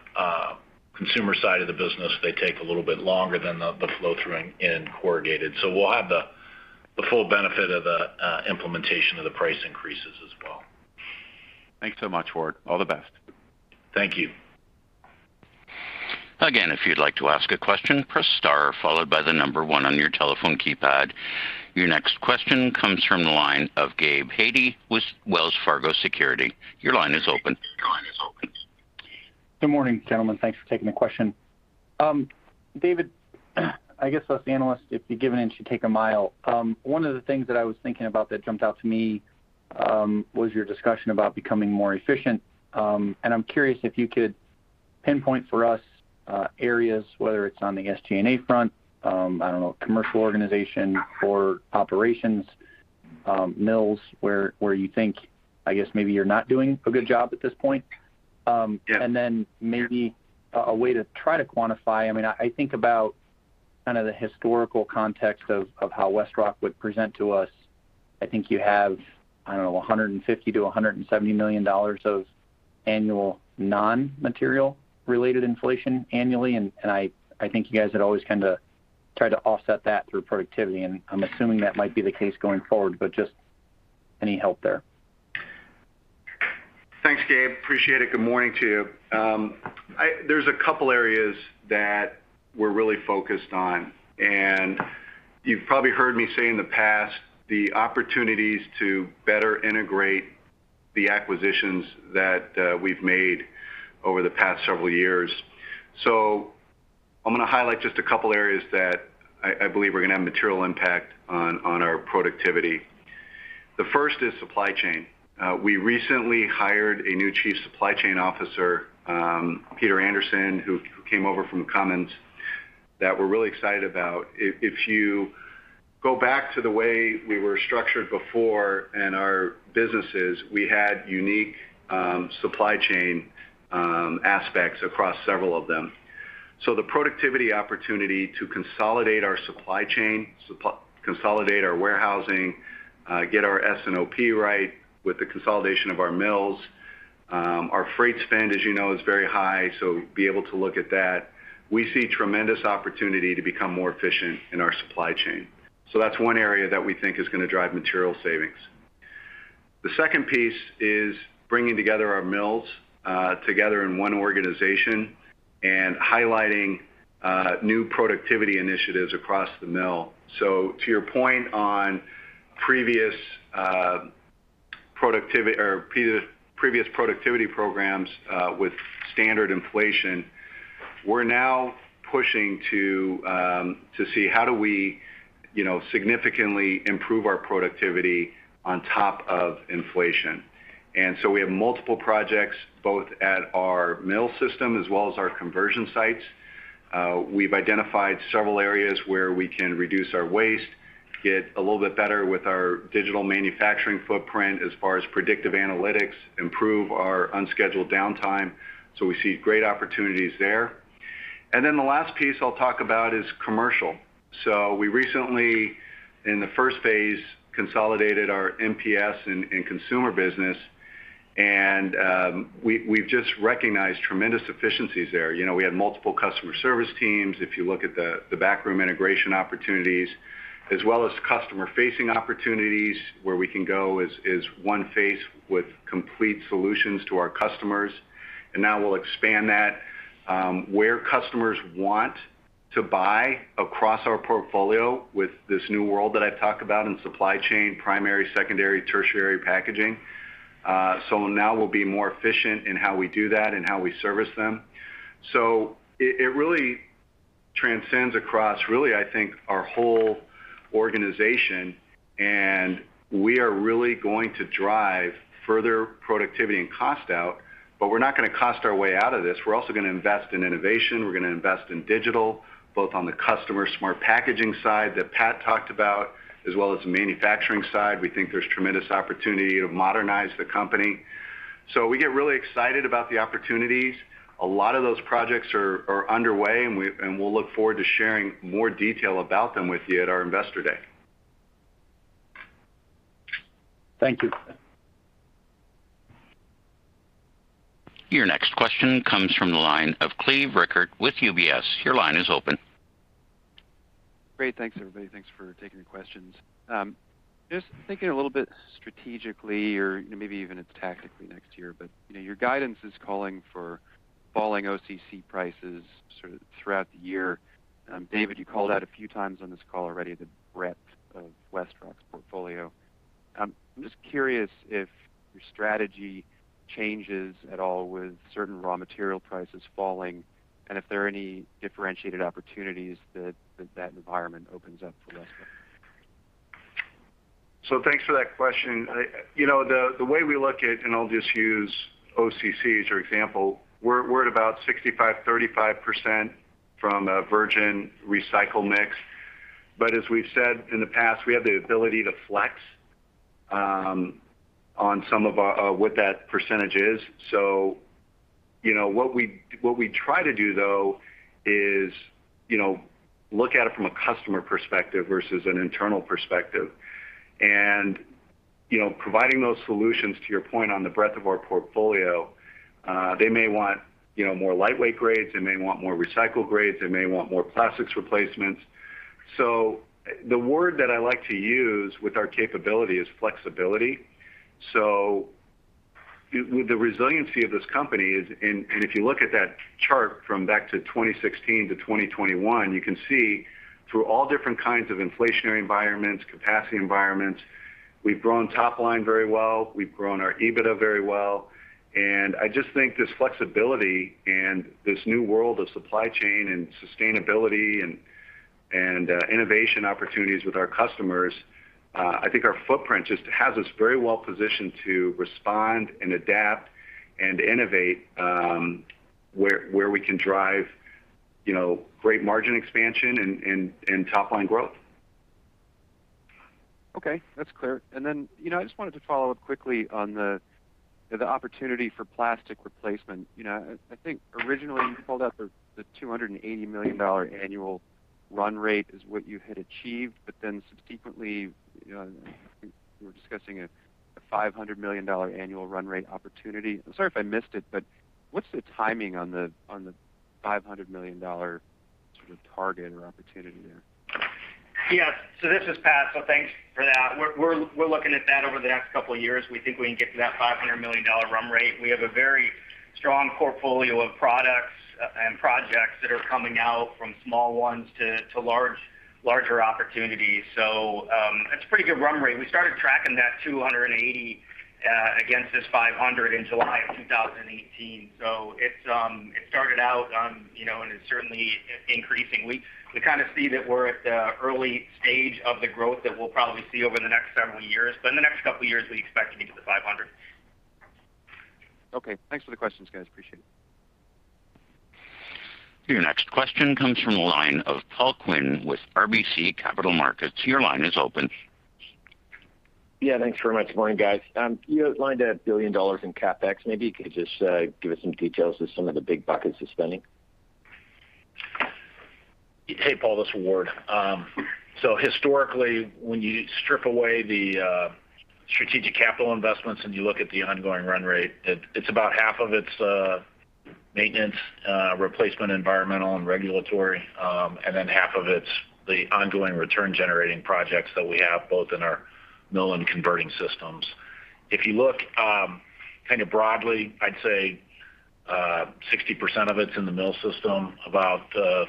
consumer side of the business, they take a little bit longer than the flow-through in corrugated. We'll have the full benefit of the implementation of the price increases as well. Thanks so much, Ward. All the best. Thank you. Again, if you'd like to ask a question, press star followed by the number one on your telephone keypad. Your next question comes from the line of Gabe Hajde with Wells Fargo Securities. Your line is open. Good morning, gentlemen. Thanks for taking the question. David, I guess us analysts, if you're given an inch, you take a mile. One of the things that I was thinking about that jumped out to me was your discussion about becoming more efficient. I'm curious if you could pinpoint for us areas, whether it's on the SG&A front, I don't know, commercial organization or operations, mills, where you think, I guess maybe you're not doing a good job at this point. Yeah. Then maybe a way to try to quantify. I mean, I think about kind of the historical context of how WestRock would present to us. I think you have, I don't know, $150 million-$170 million of annual non-material related inflation annually. I think you guys had always kinda tried to offset that through productivity, and I'm assuming that might be the case going forward, but just any help there. Thanks, Gabe. Appreciate it. Good morning to you. There's a couple areas that we're really focused on, and you've probably heard me say in the past, the opportunities to better integrate the acquisitions that we've made over the past several years. I'm gonna highlight just a couple areas that I believe are gonna have material impact on our productivity. The first is supply chain. We recently hired a new Chief Supply Chain Officer, Peter Anderson, who came over from Cummins, that we're really excited about. If you go back to the way we were structured before in our businesses, we had unique supply chain aspects across several of them. The productivity opportunity to consolidate our supply chain, consolidate our warehousing, get our S&OP right with the consolidation of our mills. Our freight spend, as you know, is very high, so be able to look at that. We see tremendous opportunity to become more efficient in our supply chain. That's one area that we think is gonna drive material savings. The second piece is bringing together our mills together in one organization and highlighting new productivity initiatives across the mill. To your point on previous productivity or previous productivity programs, with standard inflation, we're now pushing to see how do we, you know, significantly improve our productivity on top of inflation. We have multiple projects, both at our mill system as well as our conversion sites. We've identified several areas where we can reduce our waste, get a little bit better with our digital manufacturing footprint as far as predictive analytics, improve our unscheduled downtime. We see great opportunities there. The last piece I'll talk about is commercial. We recently, in the first phase, consolidated our MPS and consumer business, and we've just recognized tremendous efficiencies there. You know, we had multiple customer service teams, if you look at the backroom integration opportunities, as well as customer-facing opportunities where we can go as one face with complete solutions to our customers. Now we'll expand that, where customers want to buy across our portfolio with this new world that I've talked about in supply chain, primary, secondary, tertiary packaging. Now we'll be more efficient in how we do that and how we service them. It really transcends across really, I think, our whole organization, and we are really going to drive further productivity and cost out, but we're not gonna cost our way out of this. We're also gonna invest in innovation. We're gonna invest in digital, both on the customer smart packaging side that Pat talked about, as well as the manufacturing side. We think there's tremendous opportunity to modernize the company. We get really excited about the opportunities. A lot of those projects are underway, and we'll look forward to sharing more detail about them with you at our Investor Day. Thank you. Your next question comes from the line of Cleve Rueckert with UBS. Your line is open. Great. Thanks, everybody. Thanks for taking the questions. Just thinking a little bit strategically or maybe even tactically next year, your guidance is calling for falling OCC prices sort of throughout the year. David, you called out a few times on this call already the breadth of WestRock's portfolio. I'm just curious if your strategy changes at all with certain raw material prices falling and if there are any differentiated opportunities that environment opens up for WestRock. Thanks for that question. You know, the way we look at, and I'll just use OCC as your example, we're at about 65%-35% from a virgin recycle mix. But as we've said in the past, we have the ability to flex on what that percentage is. You know, what we try to do, though, is look at it from a customer perspective versus an internal perspective. You know, providing those solutions to your point on the breadth of our portfolio, they may want more lightweight grades, they may want more recycled grades, they may want more plastics replacements. The word that I like to use with our capability is flexibility. With the resiliency of this company and if you look at that chart from back to 2016 to 2021, you can see through all different kinds of inflationary environments, capacity environments, we've grown top line very well. We've grown our EBITDA very well. I just think this flexibility and this new world of supply chain and sustainability and innovation opportunities with our customers, I think our footprint just has us very well positioned to respond and adapt and innovate, where we can drive, you know, great margin expansion and top line growth. Okay, that's clear. You know, I just wanted to follow up quickly on the opportunity for plastic replacement. You know, I think originally you called out the $280 million annual run-rate is what you had achieved, but then subsequently, you know, I think we were discussing a $500 million annual run-rate opportunity. I'm sorry if I missed it, but what's the timing on the $500 million sort of target or opportunity there? Yes. This is Pat. Thanks for that. We're looking at that over the next couple of years. We think we can get to that $500 million run-rate. We have a very strong portfolio of products and projects that are coming out from small ones to larger opportunities. That's a pretty good run-rate. We started tracking that 280 against this 500 in July 2018. It started out, you know, and it's certainly increasing. We kind of see that we're at the early stage of the growth that we'll probably see over the next several years, but in the next couple of years, we expect to get to the 500. Okay. Thanks for the questions, guys. Appreciate it. Your next question comes from the line of Paul Quinn with RBC Capital Markets. Your line is open. Yeah, thanks very much. Morning, guys. You outlined $1 billion in CapEx. Maybe you could just give us some details of some of the big buckets you're spending. Hey, Paul, this is Ward. Historically, when you strip away the strategic capital investments and you look at the ongoing run rate, it's about half of its maintenance, replacement, environmental, and regulatory, and then half of it's the ongoing return-generating projects that we have both in our mill and converting systems. If you look kind of broadly, I'd say 60% of it's in the mill system, about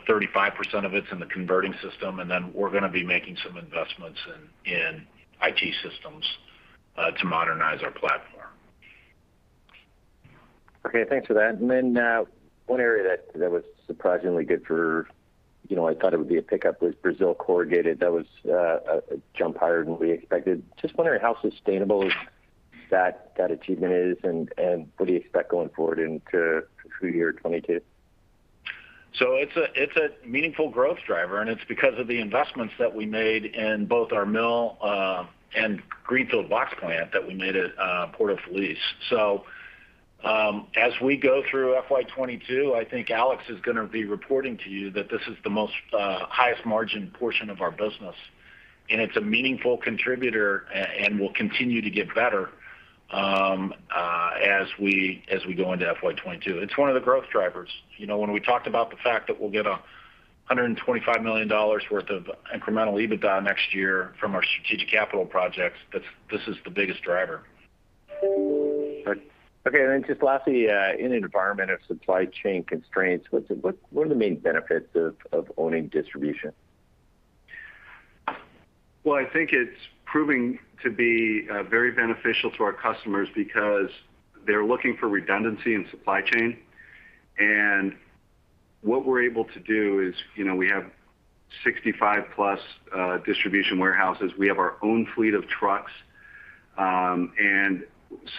35% of it's in the converting system, and then we're gonna be making some investments in IT systems to modernize our platform. Okay, thanks for that. One area that was surprisingly good for, you know, I thought it would be a pickup was Brazil corrugated. That was a jump higher than we expected. Just wondering how sustainable that achievement is and what do you expect going forward through year 2022? It's a meaningful growth driver, and it's because of the investments that we made in both our mill and greenfield box plant that we made at Porto Feliz. As we go through FY 2022, I think Alex is gonna be reporting to you that this is the most highest margin portion of our business. It's a meaningful contributor and will continue to get better as we go into FY 2022. It's one of the growth drivers. You know, when we talked about the fact that we'll get $125 million worth of incremental EBITDA next year from our strategic capital projects, that's, this is the biggest driver. Just lastly, in an environment of supply chain constraints, what are the main benefits of owning distribution? Well, I think it's proving to be very beneficial to our customers because they're looking for redundancy in supply chain. What we're able to do is, you know, we have 65+ distribution warehouses. We have our own fleet of trucks.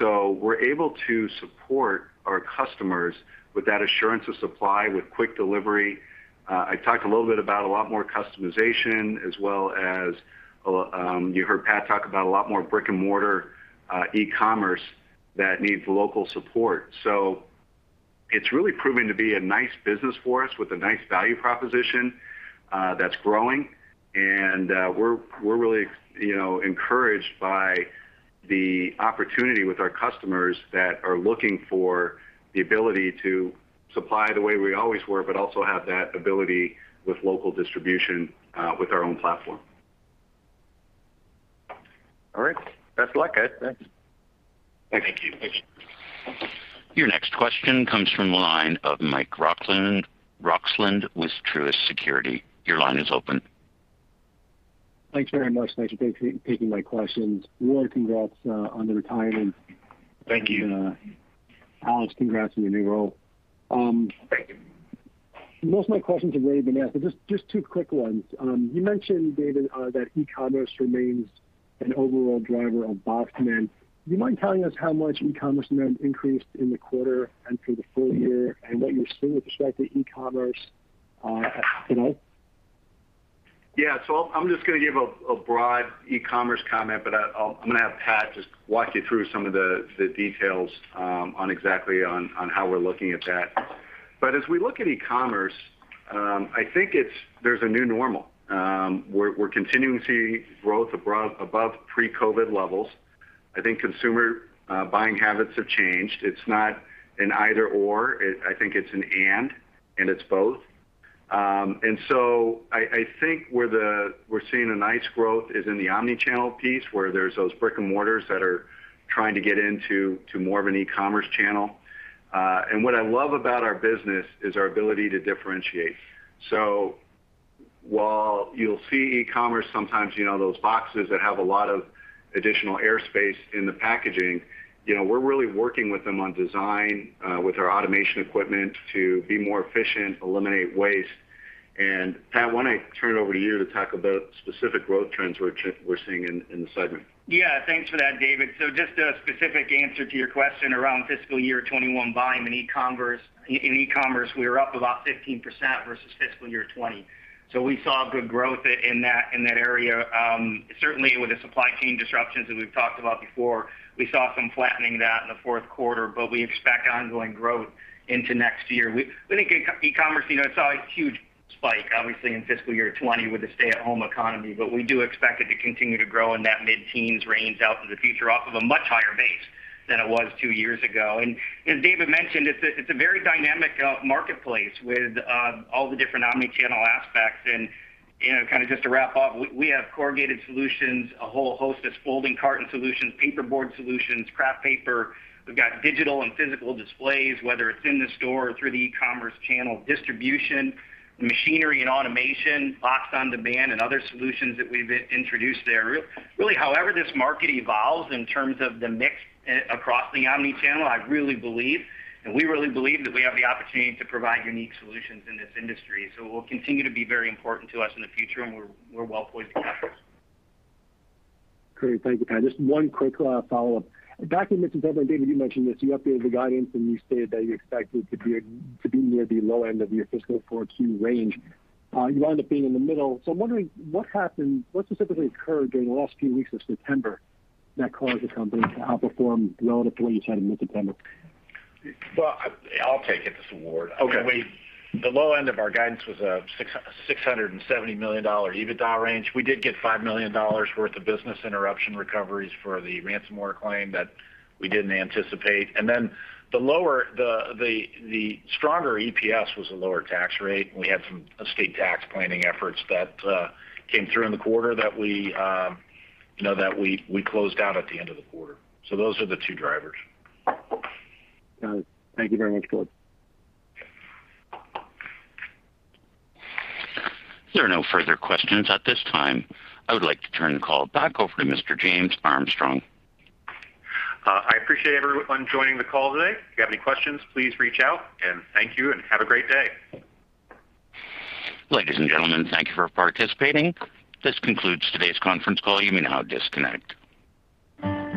We're able to support our customers with that assurance of supply with quick delivery. I talked a little bit about a lot more customization, as well as, you heard Pat talk about a lot more brick-and-mortar e-commerce that needs local support. It's really proving to be a nice business for us with a nice value proposition that's growing. We're really, you know, encouraged by the opportunity with our customers that are looking for the ability to supply the way we always were, but also have that ability with local distribution with our own platform. All right. Best of luck, guys. Thanks. Thank you. Thank you. Your next question comes from the line of Mike Roxland with Truist Securities. Your line is open. Thanks very much. Thanks for taking my questions. Ward, congrats on the retirement. Thank you. Alex, congrats on your new role. Thank you. Most of my questions have already been asked, but just two quick ones. You mentioned, David, that e-commerce remains an overall driver of box demand. You mind telling us how much e-commerce demand increased in the quarter and for the full year, and what you're seeing with respect to e-commerce, you know? I'm just gonna give a broad e-commerce comment, but I'm gonna have Pat just walk you through some of the details on exactly how we're looking at that. As we look at e-commerce, I think there's a new normal. We're continuing to see growth abroad above pre-COVID levels. I think consumer buying habits have changed. It's not an either/or. I think it's an and it's both. I think where we're seeing a nice growth is in the omnichannel piece, where there's those brick-and-mortars that are trying to get into more of an e-commerce channel. What I love about our business is our ability to differentiate. While you'll see e-commerce sometimes, you know, those boxes that have a lot of additional air space in the packaging, you know, we're really working with them on design, with our automation equipment to be more efficient, eliminate waste. Pat, why don't I turn it over to you to talk about specific growth trends we're seeing in the segment. Yeah. Thanks for that, David. Just a specific answer to your question around fiscal year 2021 volume and e-commerce. In e-commerce, we were up about 15% versus fiscal year 2020. We saw good growth in that, in that area. Certainly with the supply chain disruptions that we've talked about before, we saw some flattening of that in the fourth quarter, but we expect ongoing growth into next year. We think e-commerce, you know, saw a huge spike, obviously, in fiscal year 2020 with the stay-at-home economy. We do expect it to continue to grow in that mid-teens range out to the future off of a much higher base than it was two years ago. As David mentioned, it's a very dynamic marketplace with all the different omnichannel aspects. You know, kind of just to wrap up, we have corrugated solutions, a whole host of folding carton solutions, paperboard solutions, Kraft paper. We've got digital and physical displays, whether it's in the store or through the e-commerce channel. Distribution, machinery and automation, Box On Demand and other solutions that we've introduced there. Really, however this market evolves in terms of the mix across the omnichannel, I really believe, and we really believe that we have the opportunity to provide unique solutions in this industry. It will continue to be very important to us in the future, and we're well-positioned to capture it. Great. Thank you, Pat. Just one quick follow-up. Back in September, David, you mentioned this. You updated the guidance, and you stated that you expected to be near the low end of your fiscal fourth Q range. You wound up being in the middle. I'm wondering what happened, what specifically occurred during the last few weeks of September that caused the company to outperform relatively what you said in mid-September? Well, I'll take it, this is Ward. Okay. The low end of our guidance was a $670 million EBITDA range. We did get $5 million worth of business interruption recoveries for the ransomware claim that we didn't anticipate. The stronger EPS was a lower tax rate, and we had some estate tax planning efforts that came through in the quarter that we closed out at the end of the quarter. Those are the two drivers. Got it. Thank you very much, Ward. There are no further questions at this time. I would like to turn the call back over to Mr. James Armstrong. I appreciate everyone joining the call today. If you have any questions, please reach out, and thank you, and have a great day. Ladies and gentlemen, thank you for participating. This concludes today's conference call. You may now disconnect.